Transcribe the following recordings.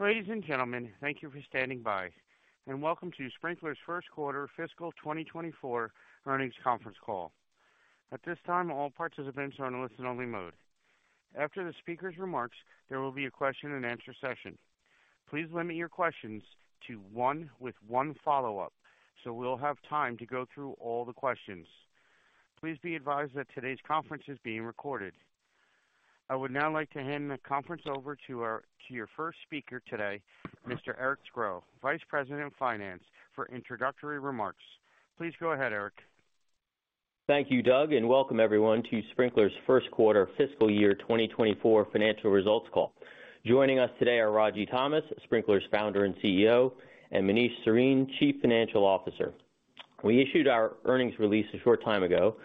Ladies and gentlemen, thank you for standing by, welcome to Sprinklr's First Quarter Fiscal 2024 Earnings Conference Call. At this time, all participants are on a listen-only mode. After the speaker's remarks, there will be a question-and-answer session. Please limit your questions to one with one follow-up, we'll have time to go through all the questions. Please be advised that today's conference is being recorded. I would now like to hand the conference over to your first speaker today, Mr. Eric Scro, Vice President of Finance, for introductory remarks. Please go ahead, Eric. Thank you, Doug, and welcome everyone to Sprinklr's First Quarter Fiscal Year 2024 Financial Results Call. Joining us today are Ragy Thomas, Sprinklr's Founder and CEO, and Manish Sarin, Chief Financial Officer. We issued our earnings release a short time ago,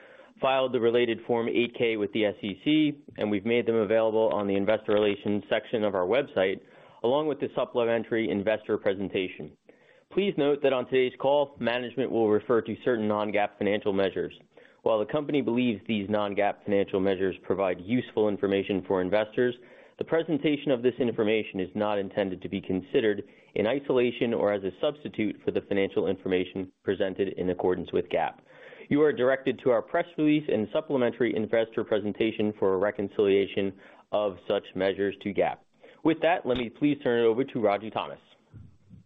filed the related Form 8-K with the SEC, and we've made them available on the investor relations section of our website, along with the supplementary investor presentation. Please note that on today's call, management will refer to certain non-GAAP financial measures. While the company believes these non-GAAP financial measures provide useful information for investors, the presentation of this information is not intended to be considered in isolation or as a substitute for the financial information presented in accordance with GAAP. You are directed to our press release and supplementary investor presentation for a reconciliation of such measures to GAAP. With that, let me please turn it over to Ragy Thomas.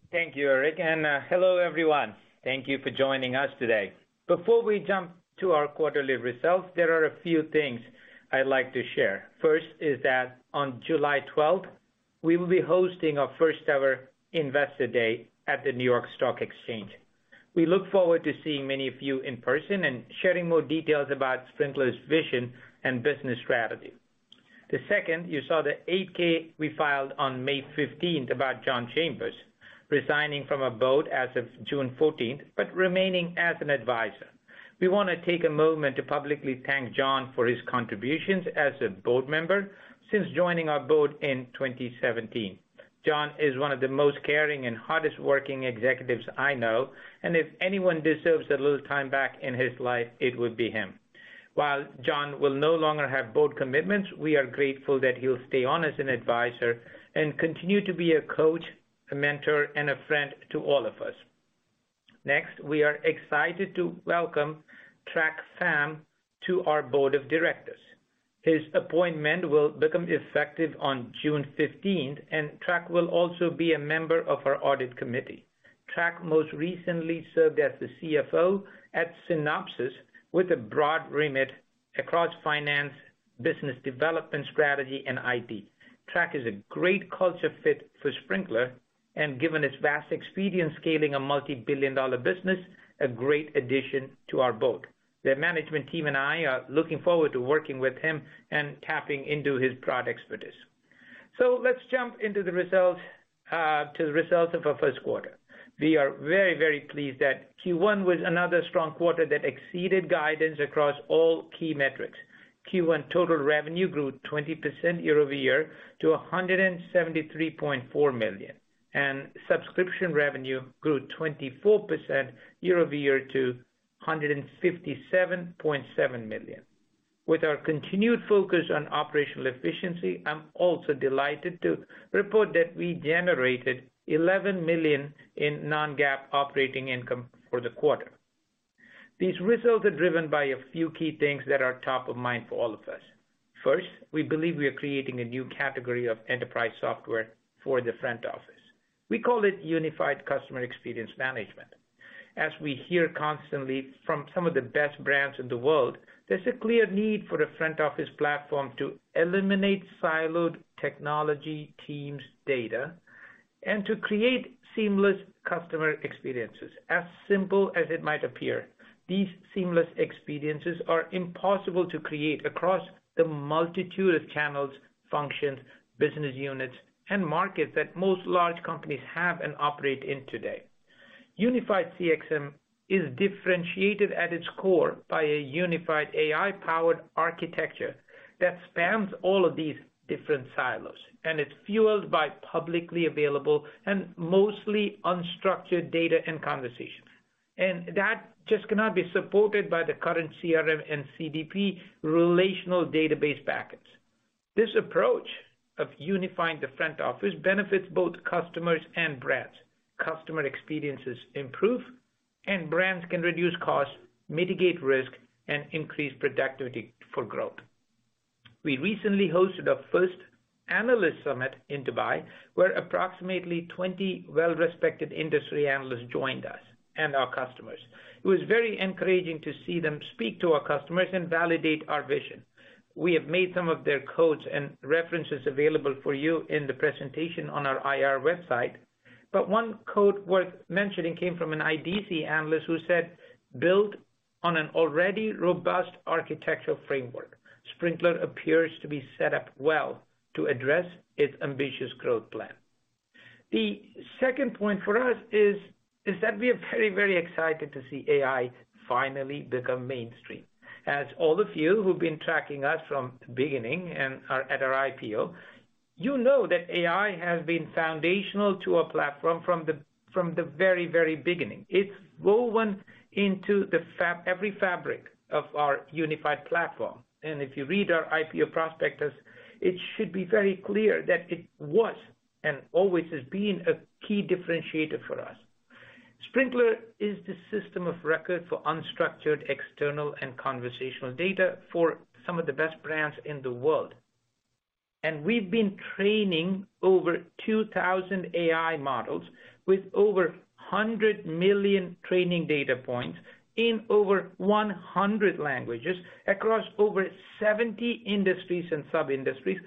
Thank you, Eric, and hello, everyone. Thank you for joining us today. Before we jump to our quarterly results, there are a few things I'd like to share. First is that on July 12th, we will be hosting our first-ever Investor Day at the New York Stock Exchange. We look forward to seeing many of you in person and sharing more details about Sprinklr's vision and business strategy. The second, you saw the 8-K we filed on May 15th about John Chambers resigning from our board as of June 14th, but remaining as an advisor. We want to take a moment to publicly thank John for his contributions as a board member since joining our board in 2017. John is one of the most caring and hardest working executives I know, and if anyone deserves a little time back in his life, it would be him. While John will no longer have board commitments, we are grateful that he'll stay on as an advisor and continue to be a coach, a mentor, and a friend to all of us. Next, we are excited to welcome Trac Pham to our board of directors. His appointment will become effective on June 15th, and Trac will also be a member of our audit committee. Trac most recently served as the CFO at Synopsys, with a broad remit across finance, business development, strategy, and IT. Trac is a great culture fit for Sprinklr, and given his vast experience scaling a multi-billion dollar business, a great addition to our board. The management team and I are looking forward to working with him and tapping into his broad expertise. Let's jump into the results of our first quarter. We are very, very pleased that Q1 was another strong quarter that exceeded guidance across all key metrics. Q1 total revenue grew 20% year-over-year to $173.4 million. Subscription revenue grew 24% year-over-year to $157.7 million. With our continued focus on operational efficiency, I'm also delighted to report that we generated $11 million in non-GAAP operating income for the quarter. These results are driven by a few key things that are top of mind for all of us. First, we believe we are creating a new category of enterprise software for the front office. We call it Unified Customer Experience Management. As we hear constantly from some of the best brands in the world, there's a clear need for a front-office platform to eliminate siloed technology, teams, data, and to create seamless customer experiences. As simple as it might appear, these seamless experiences are impossible to create across the multitude of channels, functions, business units, and markets that most large companies have and operate in today. Unified CXM is differentiated at its core by a unified AI-powered architecture that spans all of these different silos, and it's fueled by publicly available and mostly unstructured data and conversations. That just cannot be supported by the current CRM and CDP relational database packets. This approach of unifying the front office benefits both customers and brands. Customer experiences improve, and brands can reduce costs, mitigate risk, and increase productivity for growth. We recently hosted our first analyst summit in Dubai, where approximately 20 well-respected industry analysts joined us and our customers. It was very encouraging to see them speak to our customers and validate our vision. We have made some of their quotes and references available for you in the presentation on our IR website, but one quote worth mentioning came from an IDC analyst who said, "Built on an already robust architectural framework, Sprinklr appears to be set up well to address its ambitious growth plan." The second point for us is that we are very, very excited to see AI finally become mainstream. As all of you who've been tracking us from the beginning and are at our IPO, you know that AI has been foundational to our platform from the very, very beginning. It's woven into every fabric of our unified platform, and if you read our IPO prospectus, it should be very clear that it was and always has been a key differentiator for us. Sprinklr is the system of record for unstructured, external, and conversational data for some of the best brands in the world. We've been training over 2,000 AI models with over 100 million training data points in over 100 languages, across over 70 industries and sub-industries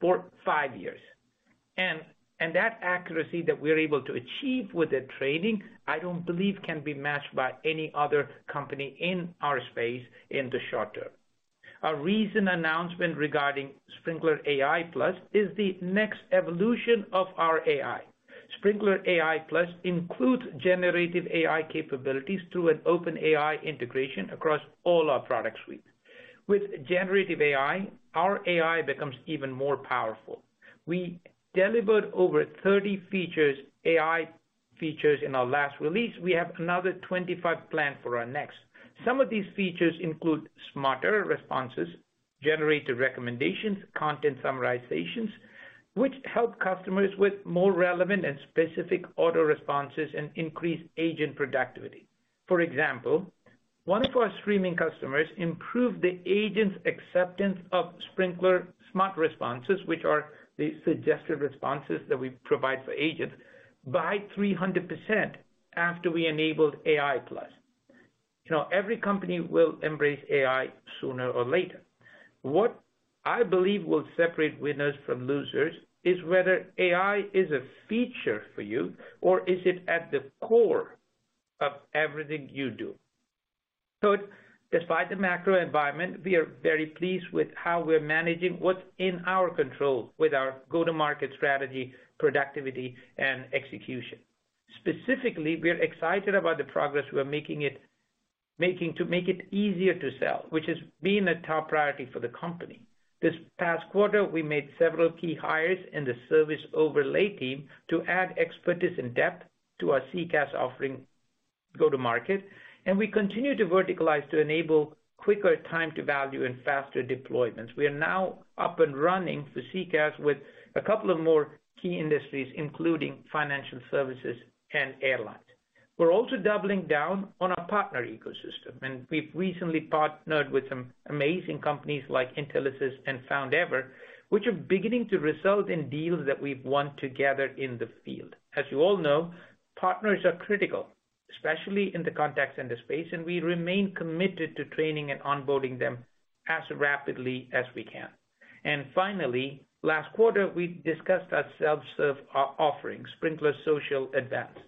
for five years. That accuracy that we're able to achieve with the training, I don't believe can be matched by any other company in our space in the short term. Our recent announcement regarding Sprinklr AI+ is the next evolution of our AI. Sprinklr AI+ includes Generative AI capabilities through an OpenAI integration across all our product suite. With Generative AI, our AI becomes even more powerful. We delivered over 30 features, AI features, in our last release. We have another 25 planned for our next. Some of these features include smarter responses, generated recommendations, content summarizations, which help customers with more relevant and specific auto responses and increase agent productivity. For example, one of our streaming customers improved the agent's acceptance of Sprinklr smart responses, which are the suggested responses that we provide for agents, by 300% after we enabled AI+. You know, every company will embrace AI sooner or later. What I believe will separate winners from losers is whether AI is a feature for you, or is it at the core of everything you do? Despite the macro environment, we are very pleased with how we're managing what's in our control with our go-to-market strategy, productivity, and execution. Specifically, we are excited about the progress we are making to make it easier to sell, which has been a top priority for the company. This past quarter, we made several key hires in the service overlay team to add expertise and depth to our CCaaS offering go-to-market, and we continue to verticalize to enable quicker time to value and faster deployments. We are now up and running for CCaaS with a couple of more key industries, including financial services and airlines. We're also doubling down on our partner ecosystem, and we've recently partnered with some amazing companies like Intellisys and Foundever, which are beginning to result in deals that we've won together in the field. As you all know, partners are critical, especially in the contact center space, and we remain committed to training and onboarding them as rapidly as we can. Finally, last quarter, we discussed our self-serve offering, Sprinklr Social Advanced.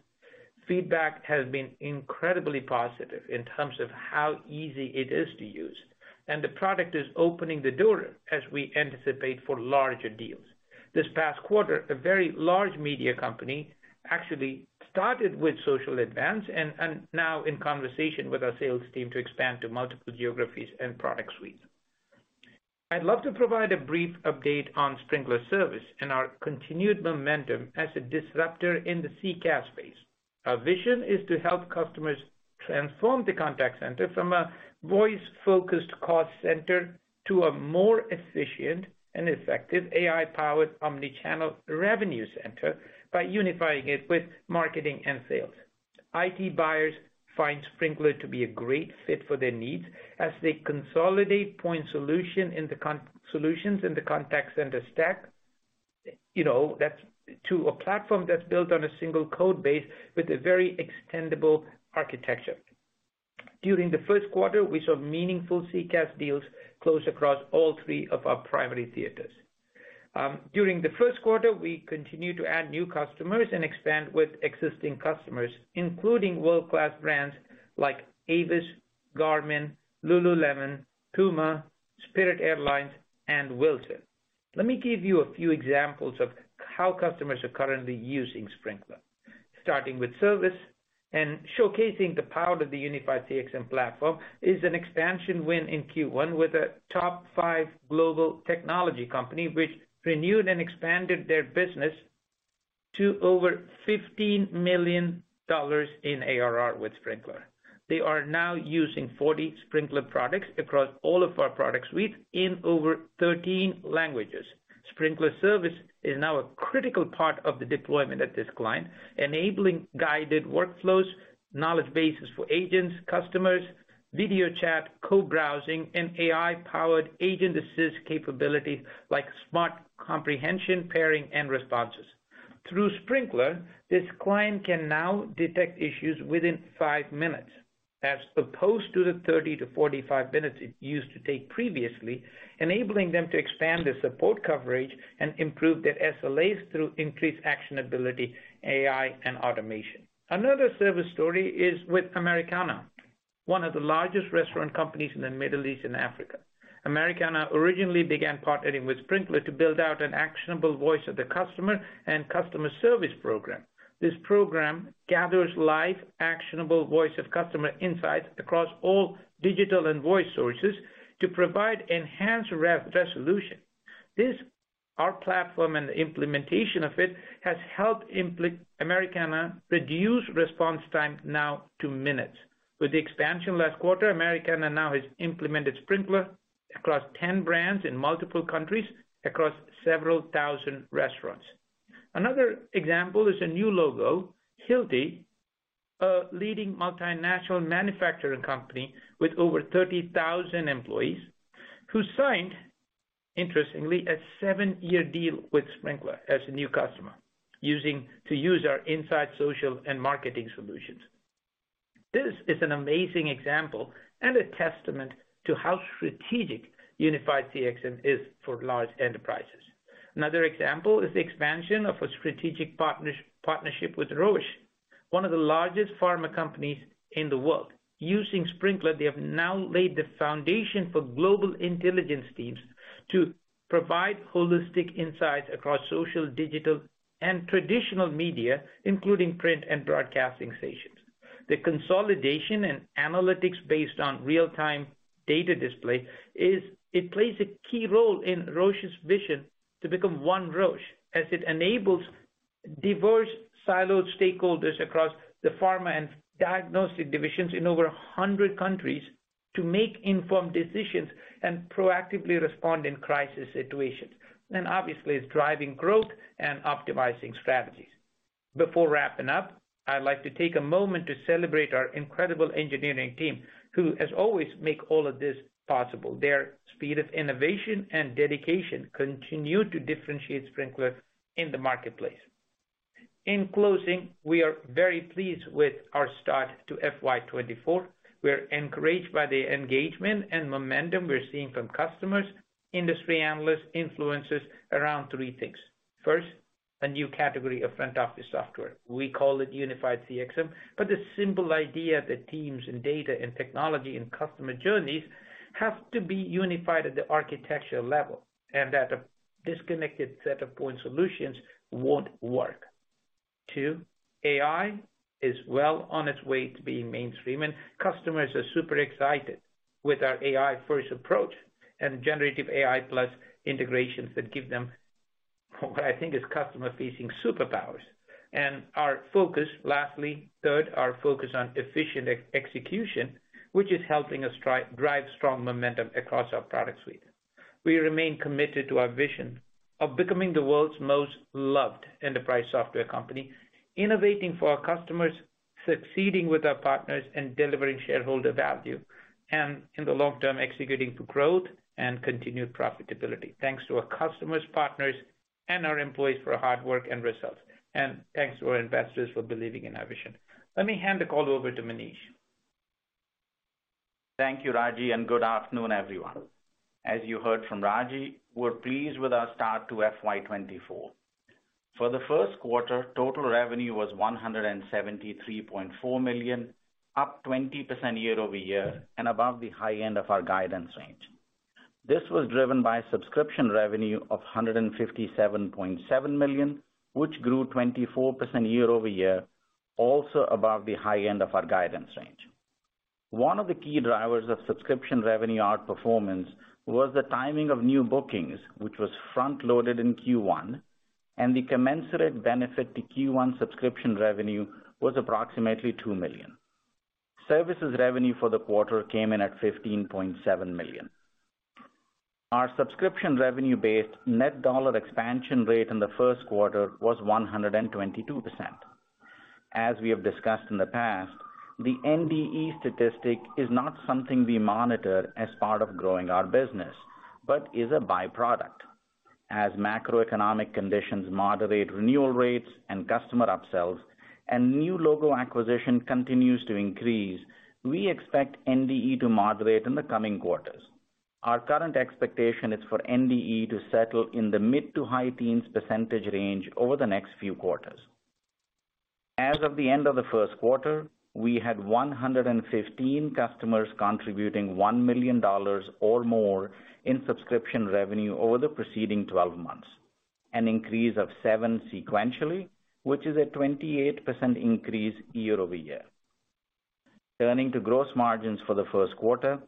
Feedback has been incredibly positive in terms of how easy it is to use, and the product is opening the door as we anticipate for larger deals. This past quarter, a very large media company actually started with Social Advanced and now in conversation with our sales team to expand to multiple geographies and product suites. I'd love to provide a brief update on Sprinklr Service and our continued momentum as a disruptor in the CCaaS space. Our vision is to help customers transform the contact center from a voice-focused cost center to a more efficient and effective AI-powered omni-channel revenue center by unifying it with marketing and sales. IT buyers find Sprinklr to be a great fit for their needs as they consolidate point solutions in the contact center stack. You know, that's to a platform that's built on a single code base with a very extendible architecture. During the first quarter, we saw meaningful CCaaS deals close across all three of our primary theaters. During the first quarter, we continued to add new customers and expand with existing customers, including world-class brands like Avis, Garmin, Lululemon, Puma, Spirit Airlines, and Wilton. Let me give you a few examples of how customers are currently using Sprinklr. Starting with service and showcasing the power of the Unified CXM platform, is an expansion win in Q1 with a top five global technology company, which renewed and expanded their business to over $15 million in ARR with Sprinklr. They are now using 40 Sprinklr products across all of our product suite in over 13 languages. Sprinklr Service is now a critical part of the deployment at this client, enabling guided workflows, knowledge bases for agents, customers, video chat, co-browsing, and AI-powered agent assist capabilities like smart comprehension, pairing, and responses. Through Sprinklr, this client can now detect issues within five minutes, as opposed to the 30 to 45 minutes it used to take previously, enabling them to expand their support coverage and improve their SLAs through increased actionability, AI, and automation. Another service story is with Americana, one of the largest restaurant companies in the Middle East and Africa. Americana originally began partnering with Sprinklr to build out an actionable voice of the customer and customer service program. This program gathers live, actionable voice of customer insights across all digital and voice sources to provide enhanced resolution. This, our platform and the implementation of it, has helped Americana reduce response time. to minutes. With the expansion last quarter, Americana now has implemented Sprinklr across 10 brands in multiple countries, across several thousand restaurants. Another example is a new logo, Hilti, a leading multinational manufacturing company with over 30,000 employees, who signed, interestingly, a 7-year deal with Sprinklr as a new customer, to use our Insights, social and marketing solutions. This is an amazing example and a testament to how strategic Unified CXM is for large enterprises. Another example is the expansion of a strategic partnership with Roche, one of the largest pharma companies in the world. Using Sprinklr, they have now laid the foundation for global intelligence teams to provide holistic insights across social, digital, and traditional media, including print and broadcasting stations. The consolidation and analytics based on real-time data display is, it plays a key role in Roche's vision to become One Roche, as it enables diverse siloed stakeholders across the pharma and diagnostic divisions in over 100 countries to make informed decisions and proactively respond in crisis situations. Obviously, it's driving growth and optimizing strategies. Before wrapping up, I'd like to take a moment to celebrate our incredible engineering team, who, as always, make all of this possible. Their speed of innovation and dedication continue to differentiate Sprinklr in the marketplace. In closing, we are very pleased with our start to FY 2024. We're encouraged by the engagement and momentum we're seeing from customers, industry analysts, influencers around three things. First, a new category of front-office software. We call it Unified CXM, the simple idea that teams and data and technology and customer journeys have to be unified at the architecture level, and that a disconnected set of point solutions won't work. Two, AI is well on its way to being mainstream, customers are super excited with our AI-first approach and Generative AI plus integrations that give them, what I think is customer-facing superpowers. Our focus, lastly, third, our focus on efficient execution, which is helping us drive strong momentum across our product suite. We remain committed to our vision of becoming the world's most loved enterprise software company, innovating for our customers, succeeding with our partners, and delivering shareholder value, and in the long term, executing for growth and continued profitability. Thanks to our customers, partners, and our employees for their hard work and results. Thanks to our investors for believing in our vision. Let me hand the call over to Manish. Thank you, Ragy. Good afternoon, everyone. As you heard from Ragy, we're pleased with our start to FY 2024. For the first quarter, total revenue was $173.4 million, up 20% year-over-year, and above the high end of our guidance range. This was driven by subscription revenue of $157.7 million, which grew 24% year-over-year, also above the high end of our guidance range. One of the key drivers of subscription revenue outperformance was the timing of new bookings, which was front-loaded in Q1, and the commensurate benefit to Q1 subscription revenue was approximately $2 million. Services revenue for the quarter came in at $15.7 million. Our subscription revenue-based net dollar expansion rate in the first quarter was 122%. As we have discussed in the past, the NDE statistic is not something we monitor as part of growing our business, but is a by-product. As macroeconomic conditions moderate, renewal rates and customer upsells and new logo acquisition continues to increase, we expect NDE to moderate in the coming quarters. Our current expectation is for NDE to settle in the mid-to-high teens percentage range over the next few quarters. As of the end of the first quarter, we had 115 customers contributing $1 million or more in subscription revenue over the preceding 12 months, an increase of seven sequentially, which is a 28% increase year-over-year. Turning to gross margins for the first quarter,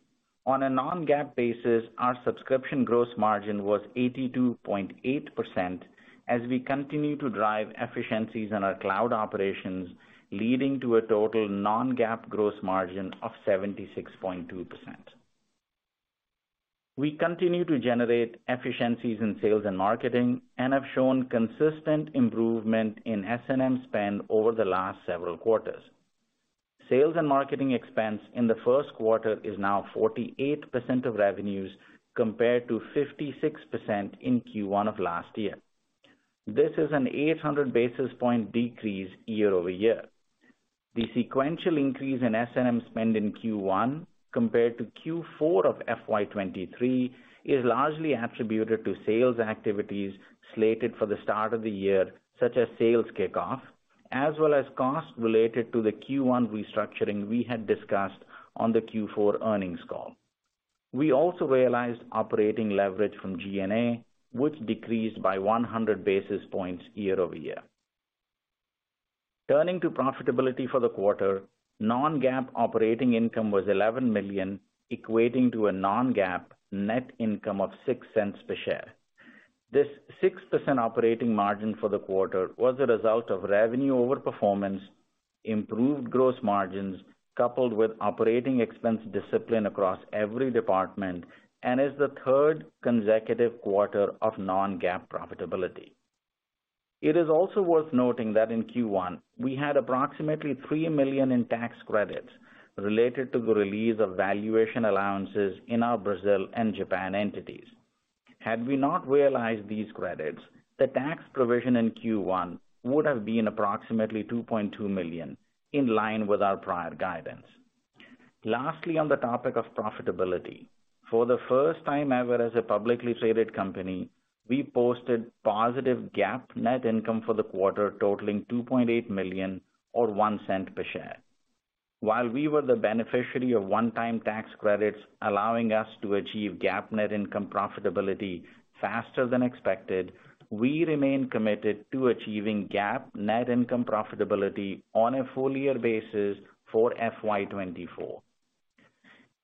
on a non-GAAP basis, our subscription gross margin was 82.8% as we continue to drive efficiencies in our cloud operations, leading to a total non-GAAP gross margin of 76.2%. We continue to generate efficiencies in Sales and Marketing and have shown consistent improvement in S&M spend over the last several quarters. Sales and Marketing expense in the first quarter is now 48% of revenues, compared to 56% in Q1 of last year. This is an 800 basis point decrease year-over-year. The sequential increase in S&M spend in Q1 compared to Q4 of FY 2023 is largely attributed to sales activities slated for the start of the year, such as sales kickoff, as well as costs related to the Q1 restructuring we had discussed on the Q4 earnings call. We also realized operating leverage from G&A, which decreased by 100 basis points year-over-year. Turning to profitability for the quarter, non-GAAP operating income was $11 million, equating to a non-GAAP net income of $0.06 per share. This 6% operating margin for the quarter was a result of revenue overperformance, improved gross margins, coupled with operating expense discipline across every department, and is the third consecutive quarter of non-GAAP profitability. It is also worth noting that in Q1, we had approximately $3 million in tax credits related to the release of valuation allowances in our Brazil and Japan entities. Had we not realized these credits, the tax provision in Q1 would have been approximately $2.2 million, in line with our prior guidance. Lastly, on the topic of profitability, for the first time ever as a publicly traded company, we posted positive GAAP net income for the quarter, totaling $2.8 million, or $0.01 per share. We were the beneficiary of one-time tax credits, allowing us to achieve GAAP net income profitability faster than expected, we remain committed to achieving GAAP net income profitability on a full-year basis for FY 2024.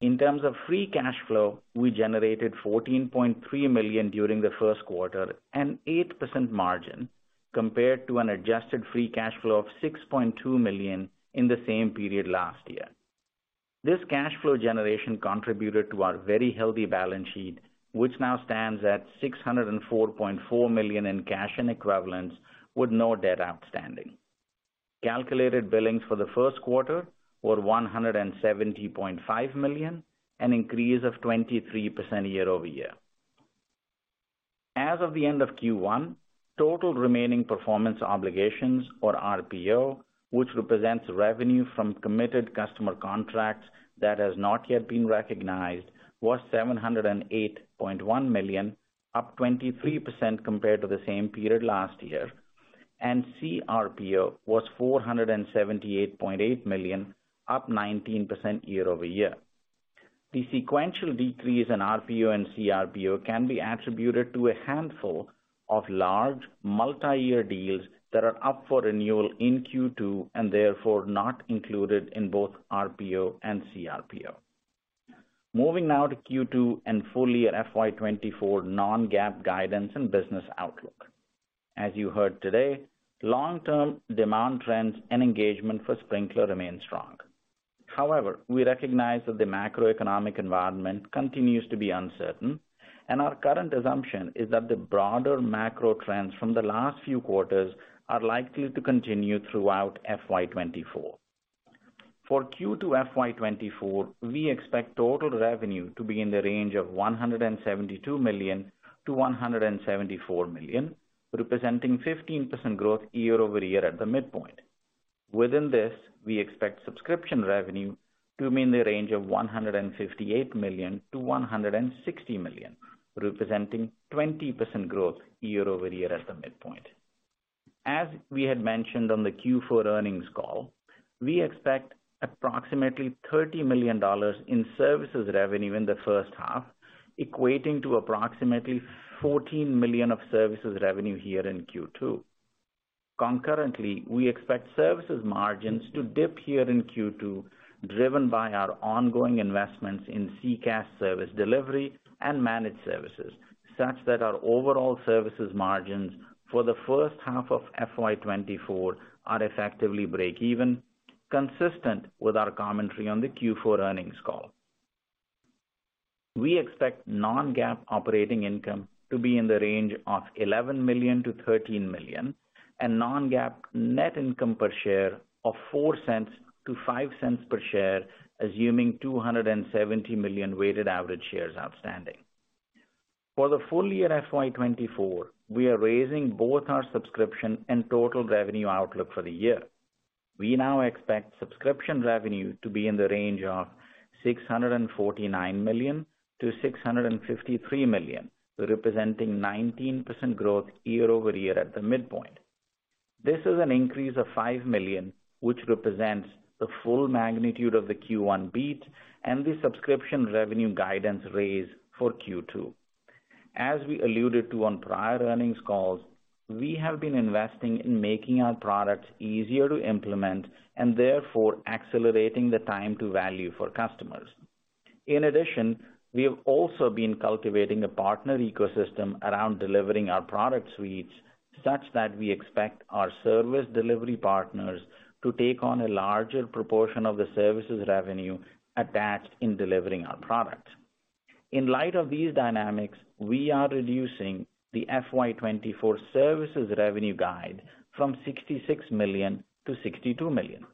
In terms of free cash flow, we generated $14.3 million during the first quarter, an 8% margin, compared to an adjusted free cash flow of $6.2 million in the same period last year. This cash flow generation contributed to our very healthy balance sheet, which now stands at $604.4 million in cash and equivalents, with no debt outstanding. Calculated billings for the first quarter were $170.5 million, an increase of 23% year-over-year. As of the end of Q1, total remaining performance obligations, or RPO, which represents revenue from committed customer contracts that has not yet been recognized, was $708.1 million, up 23% compared to the same period last year, and CRPO was $478.8 million, up 19% year-over-year. The sequential decrease in RPO and CRPO can be attributed to a handful of large multiyear deals that are up for renewal in Q2, and therefore not included in both RPO and CRPO. Moving now to Q2 and full-year FY 2024 non-GAAP guidance and business outlook. As you heard today, long-term demand trends and engagement for Sprinklr remain strong. However, we recognize that the macroeconomic environment continues to be uncertain, and our current assumption is that the broader macro trends from the last few quarters are likely to continue throughout FY 2024. For Q2 FY 2024, we expect total revenue to be in the range of $172 million-$174 million, representing 15% growth year-over-year at the midpoint. Within this, we expect subscription revenue to be in the range of $158 million-$160 million, representing 20% growth year-over-year at the midpoint. As we had mentioned on the Q4 earnings call, we expect approximately $30 million in services revenue in the first half, equating to approximately $14 million of services revenue here in Q2. We expect services margins to dip here in Q2, driven by our ongoing investments in CCaaS service delivery and managed services, such that our overall services margins for the first half of FY 2024 are effectively break even, consistent with our commentary on the Q4 earnings call. We expect non-GAAP operating income to be in the range of $11 million-$13 million, and non-GAAP net income per share of $0.04-$0.05 per share, assuming 270 million weighted average shares outstanding. For the full-year FY 2024, we are raising both our subscription and total revenue outlook for the year. We now expect subscription revenue to be in the range of $649 million-$653 million, representing 19% growth year-over-year at the midpoint. This is an increase of $5 million, which represents the full magnitude of the Q1 beat and the subscription revenue guidance raise for Q2. We alluded to on prior earnings calls, we have been investing in making our products easier to implement and therefore accelerating the time to value for customers. We have also been cultivating a partner ecosystem around delivering our product suites, such that we expect our service delivery partners to take on a larger proportion of the services revenue attached in delivering our products. We are reducing the FY 2024 services revenue guide from $66 million to $62 million.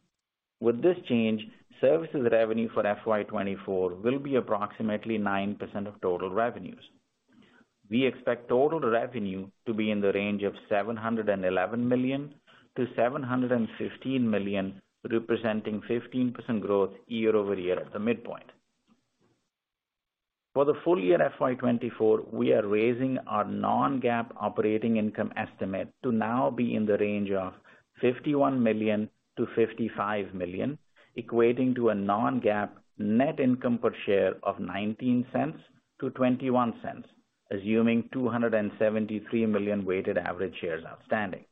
With this change, services revenue for FY 2024 will be approximately 9% of total revenues. We expect total revenue to be in the range of $711 million to $715 million, representing 15% growth year-over-year at the midpoint. For the full-year FY 2024, we are raising our non-GAAP operating income estimate to now be in the range of $51 million to $55 million, equating to a non-GAAP net income per share of $0.19 to $0.21, assuming 273 million weighted average shares outstanding.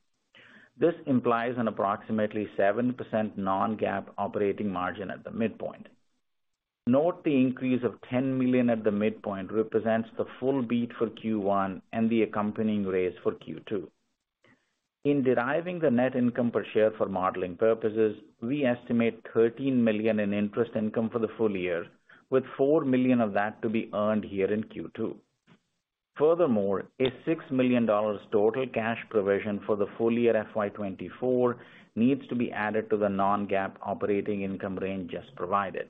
This implies an approximately 7% non-GAAP operating margin at the midpoint. Note the increase of $10 million at the midpoint represents the full beat for Q1 and the accompanying raise for Q2. In deriving the net income per share for modeling purposes, we estimate $13 million in interest income for the full-year, with $4 million of that to be earned here in Q2. Furthermore, a $6 million total cash provision for the full-year FY 2024 needs to be added to the non-GAAP operating income range just provided.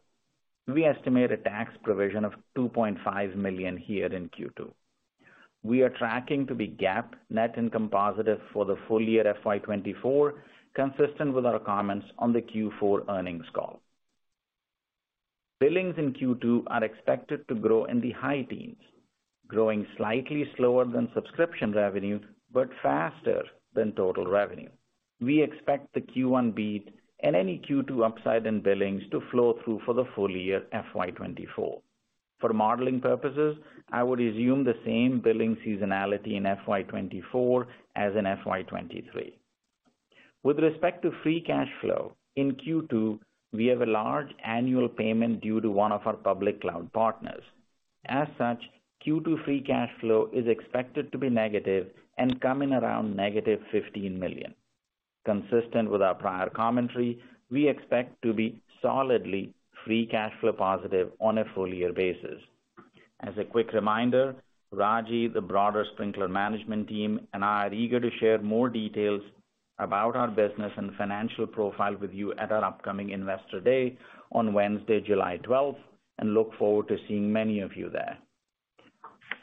We estimate a tax provision of $2.5 million here in Q2. We are tracking to be GAAP net income positive for the full-year FY 2024, consistent with our comments on the Q4 earnings call. Billings in Q2 are expected to grow in the high teens, growing slightly slower than subscription revenue, but faster than total revenue. We expect the Q1 beat and any Q2 upside in billings to flow through for the full-year FY 2024. For modeling purposes, I would assume the same billing seasonality in FY 2024 as in FY 2023. With respect to free cash flow, in Q2, we have a large annual payment due to one of our public cloud partners. As such, Q2 free cash flow is expected to be negative and come in around negative $15 million. Consistent with our prior commentary, we expect to be solidly free cash flow positive on a full-year basis. As a quick reminder, Ragy, the broader Sprinklr management team, and I are eager to share more details about our business and financial profile with you at our upcoming Investor Day on Wednesday, July 12th, and look forward to seeing many of you there.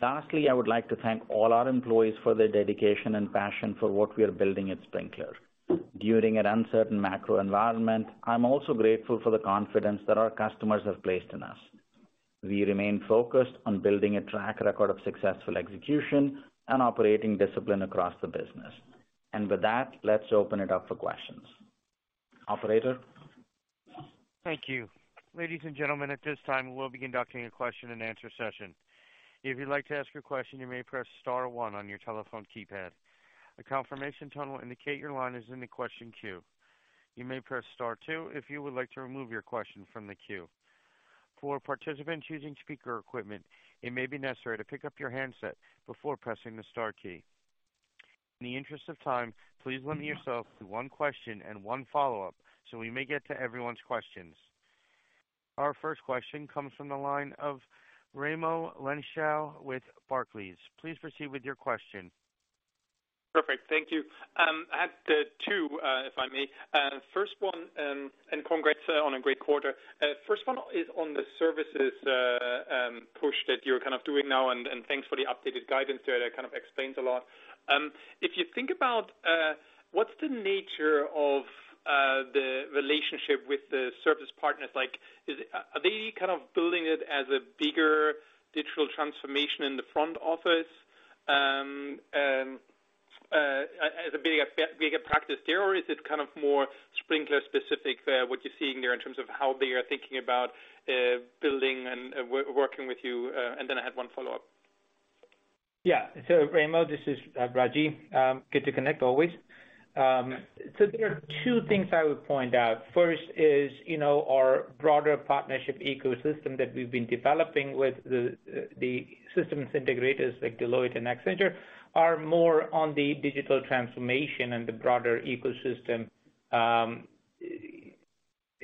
Lastly, I would like to thank all our employees for their dedication and passion for what we are building at Sprinklr. During an uncertain macro environment, I'm also grateful for the confidence that our customers have placed in us. We remain focused on building a track record of successful execution and operating discipline across the business. With that, let's open it up for questions. Operator? Thank you. Ladies and gentlemen, at this time, we'll be conducting a question-and-answer session. If you'd like to ask your question, you may press star one on your telephone keypad. A confirmation tone will indicate your line is in the question queue. You may press star two if you would like to remove your question from the queue. For participants using speaker equipment, it may be necessary to pick up your handset before pressing the star key. In the interest of time, please limit yourself to one question and one follow-up, so we may get to everyone's questions. Our first question comes from the line of Raimo Lenschow with Barclays. Please proceed with your question. Perfect. Thank you. I have two, if I may. First one, congrats on a great quarter. First one is on the services push that you're kind of doing now, and thanks for the updated guidance there. That kind of explains a lot. If you think about what's the nature of the relationship with the service partners, like, are they kind of building it as a bigger digital transformation in the front office, as a bigger practice there, or is it kind of more Sprinklr specific, what you're seeing there in terms of how they are thinking about building and working with you? Then I have one follow-up. Yeah. Remo, this is Ragy. Good to connect always. There are two things I would point out. First is, you know, our broader partnership ecosystem that we've been developing with the systems integrators like Deloitte and Accenture, are more on the digital transformation and the broader ecosystem,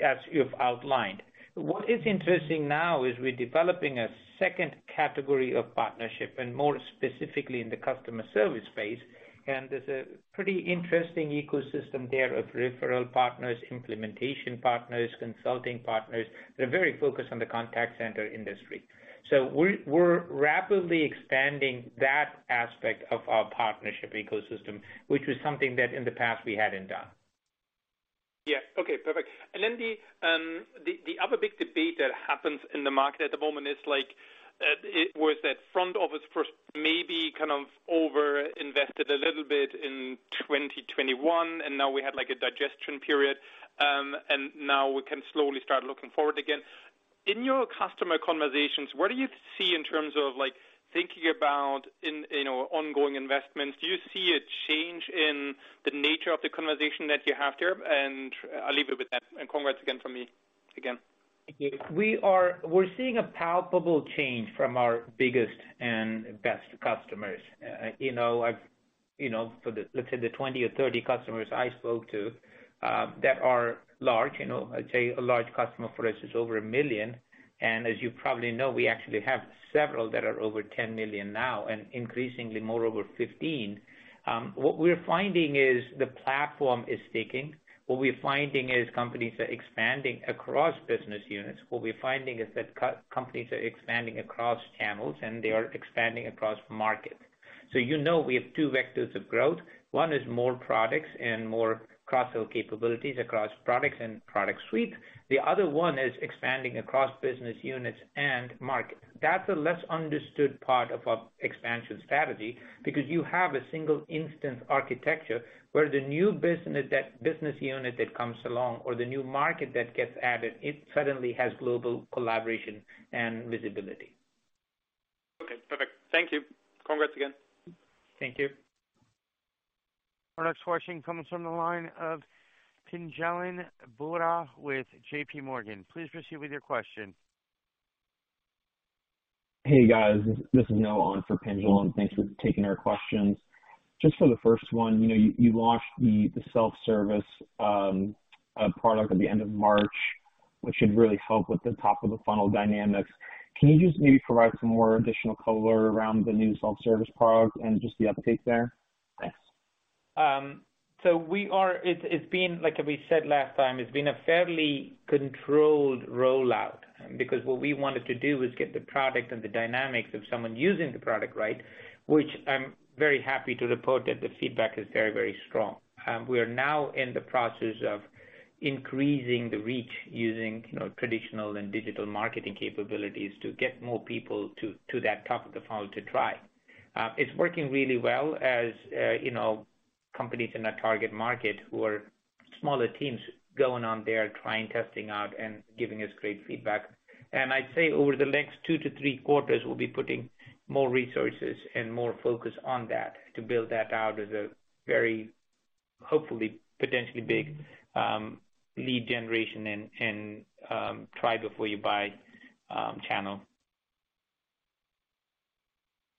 as you've outlined. What is interesting now is we're developing a second category of partnership, and more specifically in the customer service space, and there's a pretty interesting ecosystem there of referral partners, implementation partners, consulting partners. They're very focused on the contact center industry. We're rapidly expanding that aspect of our partnership ecosystem, which is something that in the past we hadn't done. Yeah. Okay, perfect. Then the other big debate that happens in the market at the moment is like, was that front office first maybe kind of over-invested a little bit in 2021, and now we had, like, a digestion period, and now we can slowly start looking forward again. In your customer conversations, what do you see in terms of, like, thinking about in, you know, ongoing investments? Do you see a change in the nature of the conversation that you have there? I'll leave it with that. Congrats again from me, again. Thank you. We're seeing a palpable change from our biggest and best customers. You know, for the, let's say, the 20 or 30 customers I spoke to, that are large, you know, I'd say a large customer for us is over $1 million, and as you probably know, we actually have several that are over $10 million now and increasingly more over $15 million. What we're finding is the platform is sticking. What we're finding is companies are expanding across business units. What we're finding is that companies are expanding across channels, and they are expanding across markets. You know, we have two vectors of growth. One is more products and more cross-sell capabilities across products and product suite. The other one is expanding across business units and markets. That's a less understood part of our expansion strategy because you have a single instance architecture where the new business, that business unit that comes along or the new market that gets added, it suddenly has global collaboration and visibility. Okay, perfect. Thank you. Congrats again. Thank you. Our next question comes from the line of Pinjalim Bora with J.P. Morgan. Please proceed with your question. Hey, guys. This is Noah on for Pinjan. Thanks for taking our questions. For the first one, you know, you launched the self-service product at the end of March, which should really help with the top of the funnel dynamics. Can you just maybe provide some more additional color around the new self-service product and just the update there? Thanks. It's been, like we said last time, it's been a fairly controlled rollout, because what we wanted to do was get the product and the dynamics of someone using the product right, which I'm very happy to report that the feedback is very, very strong. We are now in the process of increasing the reach using, you know, traditional and digital marketing capabilities to get more people to that top of the funnel to try. It's working really well as, you know, companies in our target market who are smaller teams going on there, trying, testing out and giving us great feedback. I'd say over the next two to three quarters, we'll be putting more resources and more focus on that to build that out as a very, hopefully, potentially big, lead generation and try before you buy, channel.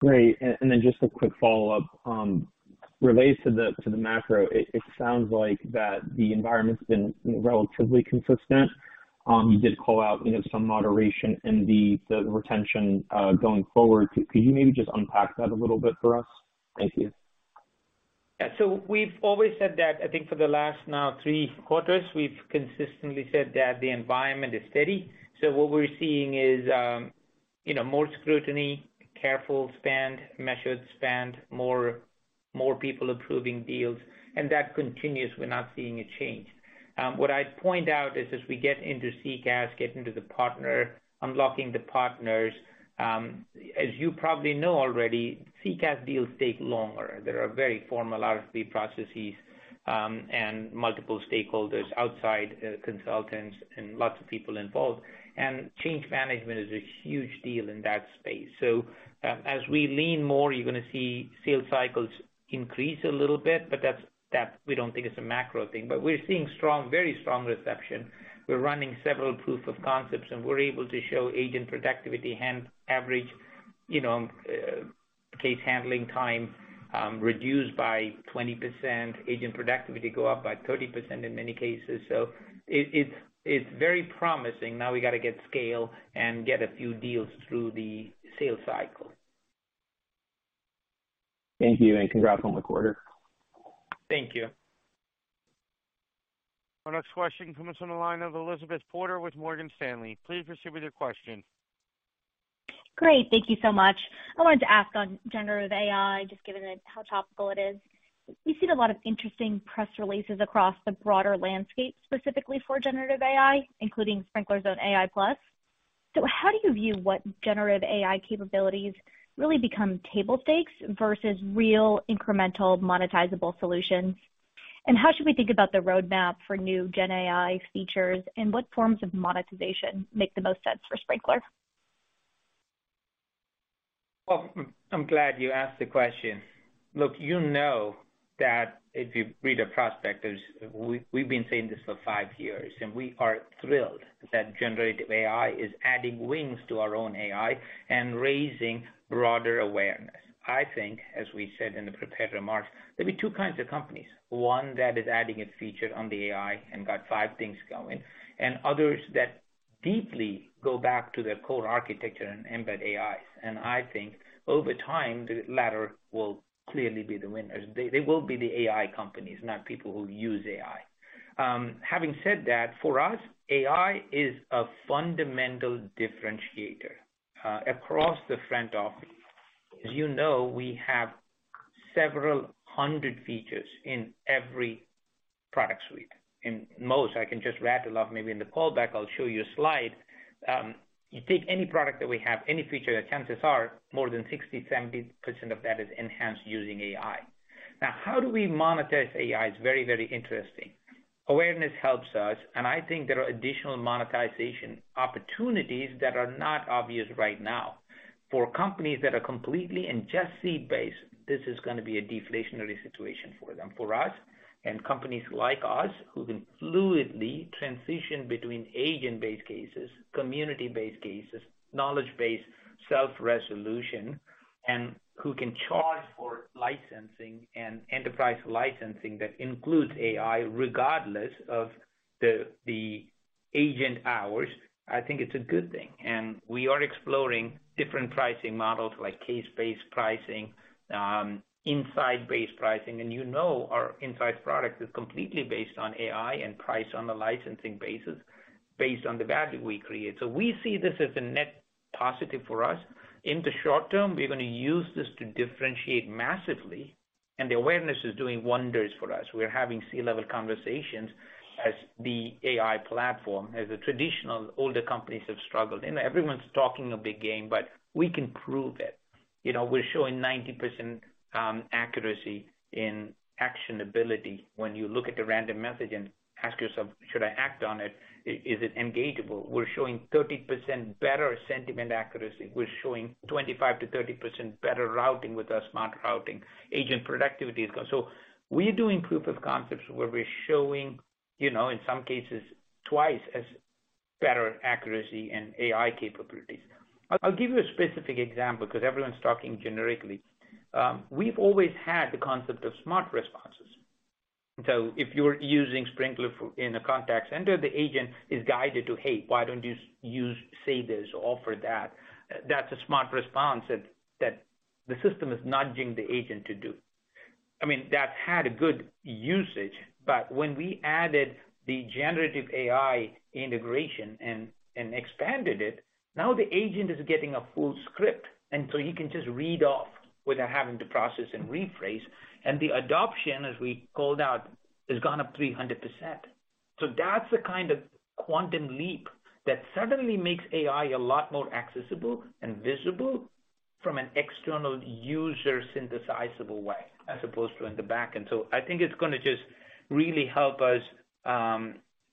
Great. Just a quick follow-up. Relates to the macro, it sounds like that the environment's been relatively consistent. You did call out, you know, some moderation in the retention going forward. Could you maybe just unpack that a little bit for us? Thank you. Yeah. We've always said that, I think for the last now three quarters, we've consistently said that the environment is steady. What we're seeing is, you know, more scrutiny, careful spend, measured spend, more people approving deals, and that continues. We're not seeing a change. What I'd point out is as we get into CCaaS, get into the partner, unlocking the partners, as you probably know already, CCaaS deals take longer. There are very formal RFP processes, and multiple stakeholders, outside, consultants, and lots of people involved, and change management is a huge deal in that space. As we lean more, you're gonna see sales cycles increase a little bit, but that we don't think it's a macro thing. We're seeing strong, very strong reception. We're running several proof of concepts, we're able to show agent productivity and average, you know, case handling time, reduced by 20%, agent productivity go up by 30% in many cases. It's very promising. We gotta get scale and get a few deals through the sales cycle. Thank you, and congrats on the quarter. Thank you. Our next question comes from the line of Elizabeth Porter with Morgan Stanley. Please proceed with your question. Great. Thank you so much. I wanted to ask on Generative AI, just given it, how topical it is. We've seen a lot of interesting press releases across the broader landscape, specifically for Generative AI, including Sprinklr's own AI+. How do you view what Generative AI capabilities really become table stakes versus real incremental monetizable solutions? How should we think about the roadmap for new gen AI features, and what forms of monetization make the most sense for Sprinklr? I'm glad you asked the question. Look, you know that if you read a prospectus, we've been saying this for five years, and we are thrilled that Generative AI is adding wings to our own AI and raising broader awareness. I think, as we said in the prepared remarks, there'll be two kinds of companies: one, that is adding a feature on the AI and got five things going, and others that deeply go back to their core architecture and embed AI. I think over time, the latter will clearly be the winners. They will be the AI companies, not people who use AI. Having said that, for us, AI is a fundamental differentiator across the front office. As you know, we have several hundred features in every product suite. In most, I can just rattle off, maybe in the call back, I'll show you a slide. You take any product that we have, any feature, the chances are more than 60%, 70% of that is enhanced using AI. Now, how do we monetize AI? It's very, very interesting. Awareness helps us, and I think there are additional monetization opportunities that are not obvious right now. For companies that are completely and just seat-based, this is gonna be a deflationary situation for them. For us, and companies like us, who can fluidly transition between agent-based cases, community-based cases, knowledge-based self-resolution, and who can charge for licensing and enterprise licensing that includes AI, regardless of the agent hours, I think it's a good thing. We are exploring different pricing models like case-based pricing, Insights-based pricing, and you know our Insights product is completely based on AI and priced on a licensing basis, based on the value we create. We see this as a net positive for us. In the short term, we're gonna use this to differentiate massively, the awareness is doing wonders for us. We're having C-level conversations as the AI platform, as the traditional older companies have struggled. Everyone's talking a big game, but we can prove it. You know, we're showing 90% accuracy in actionability. When you look at the random message and ask yourself, "Should I act on it? Is it engageable?" We're showing 30% better sentiment accuracy. We're showing 25% to 30% better routing with our smart routing. Agent productivity is gone. We're doing proof of concepts where we're showing, you know, in some cases, better accuracy and AI capabilities. I'll give you a specific example, because everyone's talking generically. We've always had the concept of smart responses. If you're using Sprinklr in a contact center, the agent is guided to, "Hey, why don't you use, say, this or offer that?" That's a smart response that the system is nudging the agent to do. I mean, that's had a good usage, but when we added the Generative AI integration and expanded it, now the agent is getting a full script, he can just read off without having to process and rephrase. The adoption, as we called out, has gone up 300%. That's the kind of quantum leap that suddenly makes AI a lot more accessible and visible from an external user synthesizable way, as opposed to in the back. I think it's gonna just really help us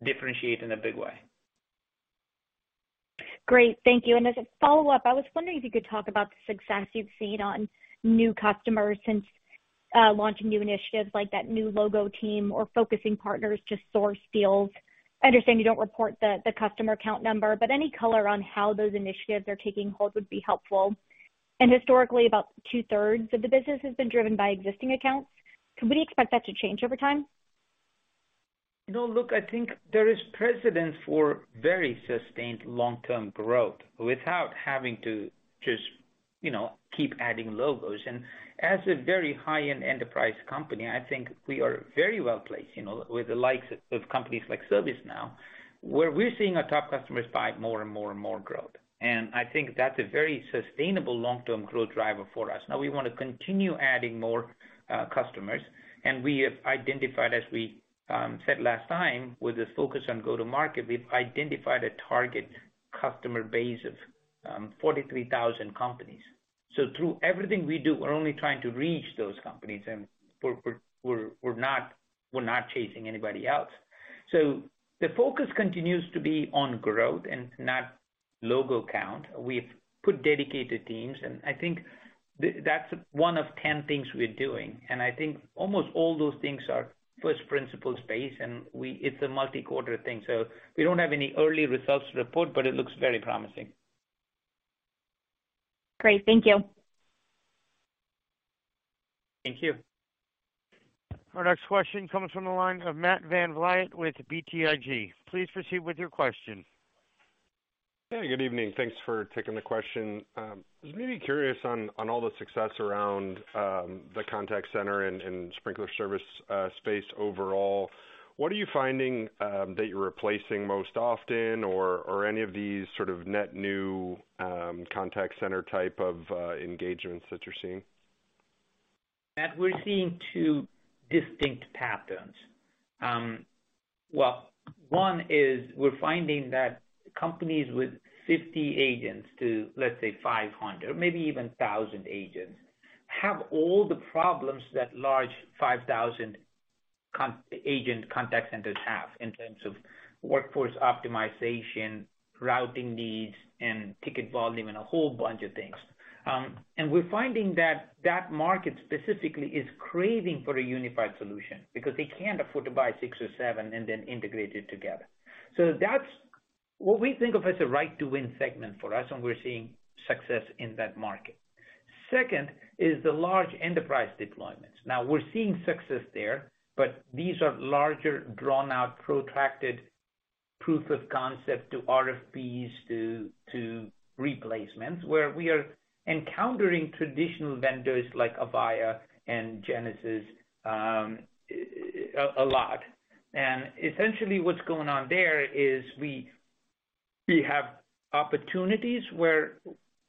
differentiate in a big way. Great. Thank you. As a follow-up, I was wondering if you could talk about the success you've seen on new customers since launching new initiatives like that new logo team or focusing partners to source deals. I understand you don't report the customer count number, but any color on how those initiatives are taking hold would be helpful. Historically, about two-thirds of the business has been driven by existing accounts. Can we expect that to change over time? You know, look, I think there is precedent for very sustained long-term growth without having to just, you know, keep adding logos. As a very high-end enterprise company, I think we are very well placed, you know, with the likes of companies like ServiceNow, where we're seeing our top customers buy more and more and more growth. I think that's a very sustainable long-term growth driver for us. Now, we want to continue adding more customers, and we have identified, as we said last time, with this focus on go-to-market, we've identified a target customer base of 43,000 companies. Through everything we do, we're only trying to reach those companies, and we're not chasing anybody else. The focus continues to be on growth and not logo count. We've put dedicated teams, and I think that's one of 10 things we're doing, and I think almost all those things are first principle space, and it's a multi-quarter thing, so we don't have any early results to report, but it looks very promising. Great. Thank you. Thank you. Our next question comes from the line of Matt VanVliet with BTIG. Please proceed with your question. Good evening. Thanks for taking the question. Just maybe curious on all the success around the contact center and Sprinklr Service space overall. What are you finding that you're replacing most often or any of these sort of net new contact center type of engagements that you're seeing? Matt, we're seeing two distinct patterns. Well, one is we're finding that companies with 50 agents to, let's say, 500, or maybe even 1,000 agents, have all the problems that large 5,000 agent contact centers have in terms of workforce optimization, routing needs, and ticket volume, and a whole bunch of things. We're finding that that market specifically is craving for a unified solution because they can't afford to buy six or seven and then integrate it together. That's what we think of as a right to win segment for us, and we're seeing success in that market. Second, is the large enterprise deployments. We're seeing success there, but these are larger, drawn out, protracted proof of concept to RFPs, to replacements, where we are encountering traditional vendors like Avaya and Genesys, a lot. Essentially what's going on there is we have opportunities where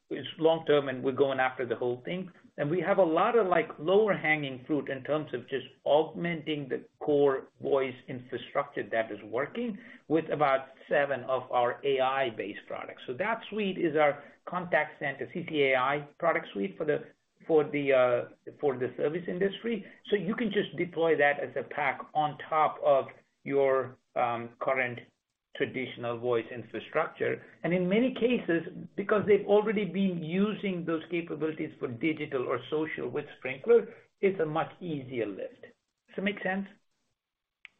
it's long-term and we're going after the whole thing, and we have a lot of, like, lower hanging fruit in terms of just augmenting the core voice infrastructure that is working with about seven of our AI-based products. That suite is our contact center, CTAI product suite for the service industry. You can just deploy that as a pack on top of your current traditional voice infrastructure. In many cases, because they've already been using those capabilities for digital or social with Sprinklr, it's a much easier lift. Does that make sense?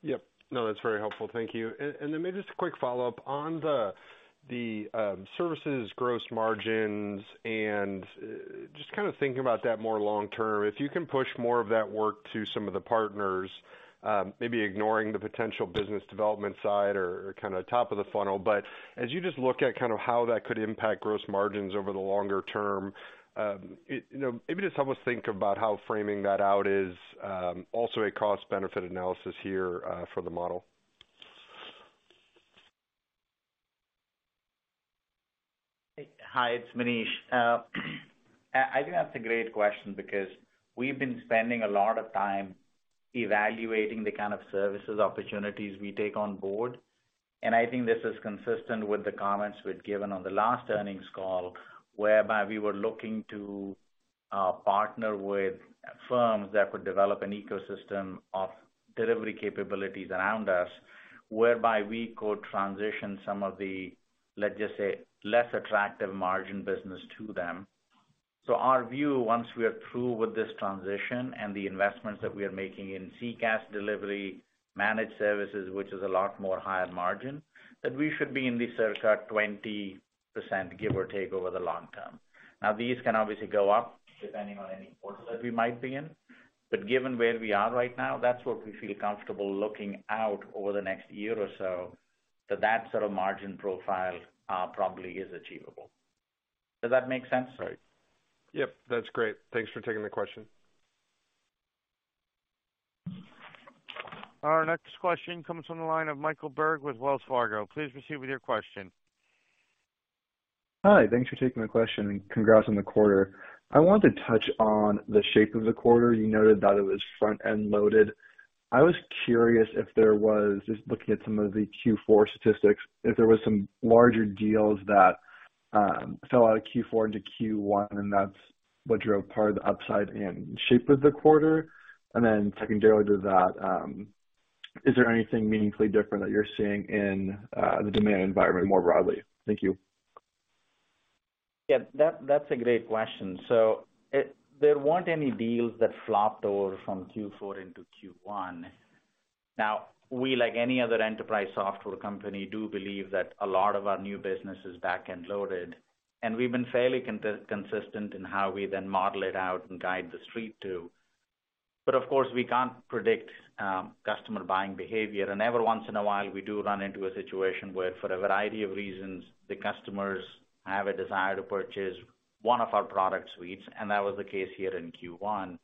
Yep. No, that's very helpful. Thank you. Then maybe just a quick follow-up on the services gross margins and just kind of thinking about that more long term. If you can push more of that work to some of the partners, maybe ignoring the potential business development side or kind of top of the funnel. As you just look at kind of how that could impact gross margins over the longer term, you know, maybe just help us think about how framing that out is also a cost-benefit analysis here for the model. Hi, it's Manish. I think that's a great question because we've been spending a lot of time evaluating the kind of services opportunities we take on board, and I think this is consistent with the comments we'd given on the last earnings call, whereby we were looking to partner with firms that could develop an ecosystem of delivery capabilities around us, whereby we could transition some of the, let's just say, less attractive margin business to them. Our view, once we are through with this transition and the investments that we are making in CCaaS delivery, managed services, which is a lot more higher margin, that we should be in the circa 20%, give or take, over the long term. These can obviously go up depending on any quarter that we might be in, but given where we are right now, that's what we feel comfortable looking out over the next year or so, that sort of margin profile probably is achievable. Does that make sense? Right. Yep, that's great. Thanks for taking the question. Our next question comes from the line of Michael Berg with Wells Fargo. Please proceed with your question. Hi, thanks for taking the question, and congrats on the quarter. I want to touch on the shape of the quarter. You noted that it was front-end loaded. I was curious if there was, just looking at some of the Q4 statistics, if there was some larger deals that fell out of Q4 into Q1, and that's what drove part of the upside and shape of the quarter. Secondarily to that, is there anything meaningfully different that you're seeing in the demand environment more broadly? Thank you. Yeah, that's a great question. There weren't any deals that flopped over from Q4 into Q1. We, like any other enterprise software company, do believe that a lot of our new business is back-end loaded, and we've been fairly consistent in how we then model it out and guide the street, too. Of course, we can't predict customer buying behavior, and every once in a while, we do run into a situation where, for a variety of reasons, the customers have a desire to purchase one of our product suites, and that was the case here in Q1.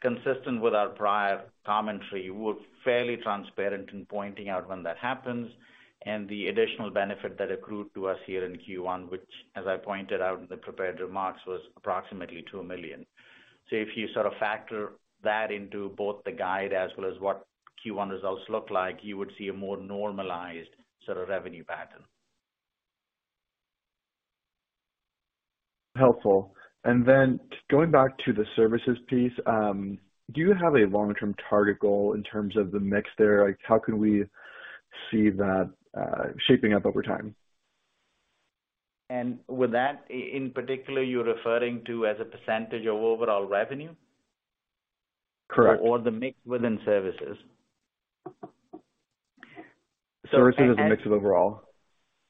Consistent with our prior commentary, we're fairly transparent in pointing out when that happens and the additional benefit that accrued to us here in Q1, which, as I pointed out in the prepared remarks, was approximately $2 million. If you sort of factor that into both the guide as well as what Q1 results look like, you would see a more normalized sort of revenue pattern. Helpful. Going back to the services piece, do you have a long-term target goal in terms of the mix there? Like, how can we see that shaping up over time? With that, in particular, you're referring to as a percentage of overall revenue? Correct. The mix within services? Services as a mix of overall.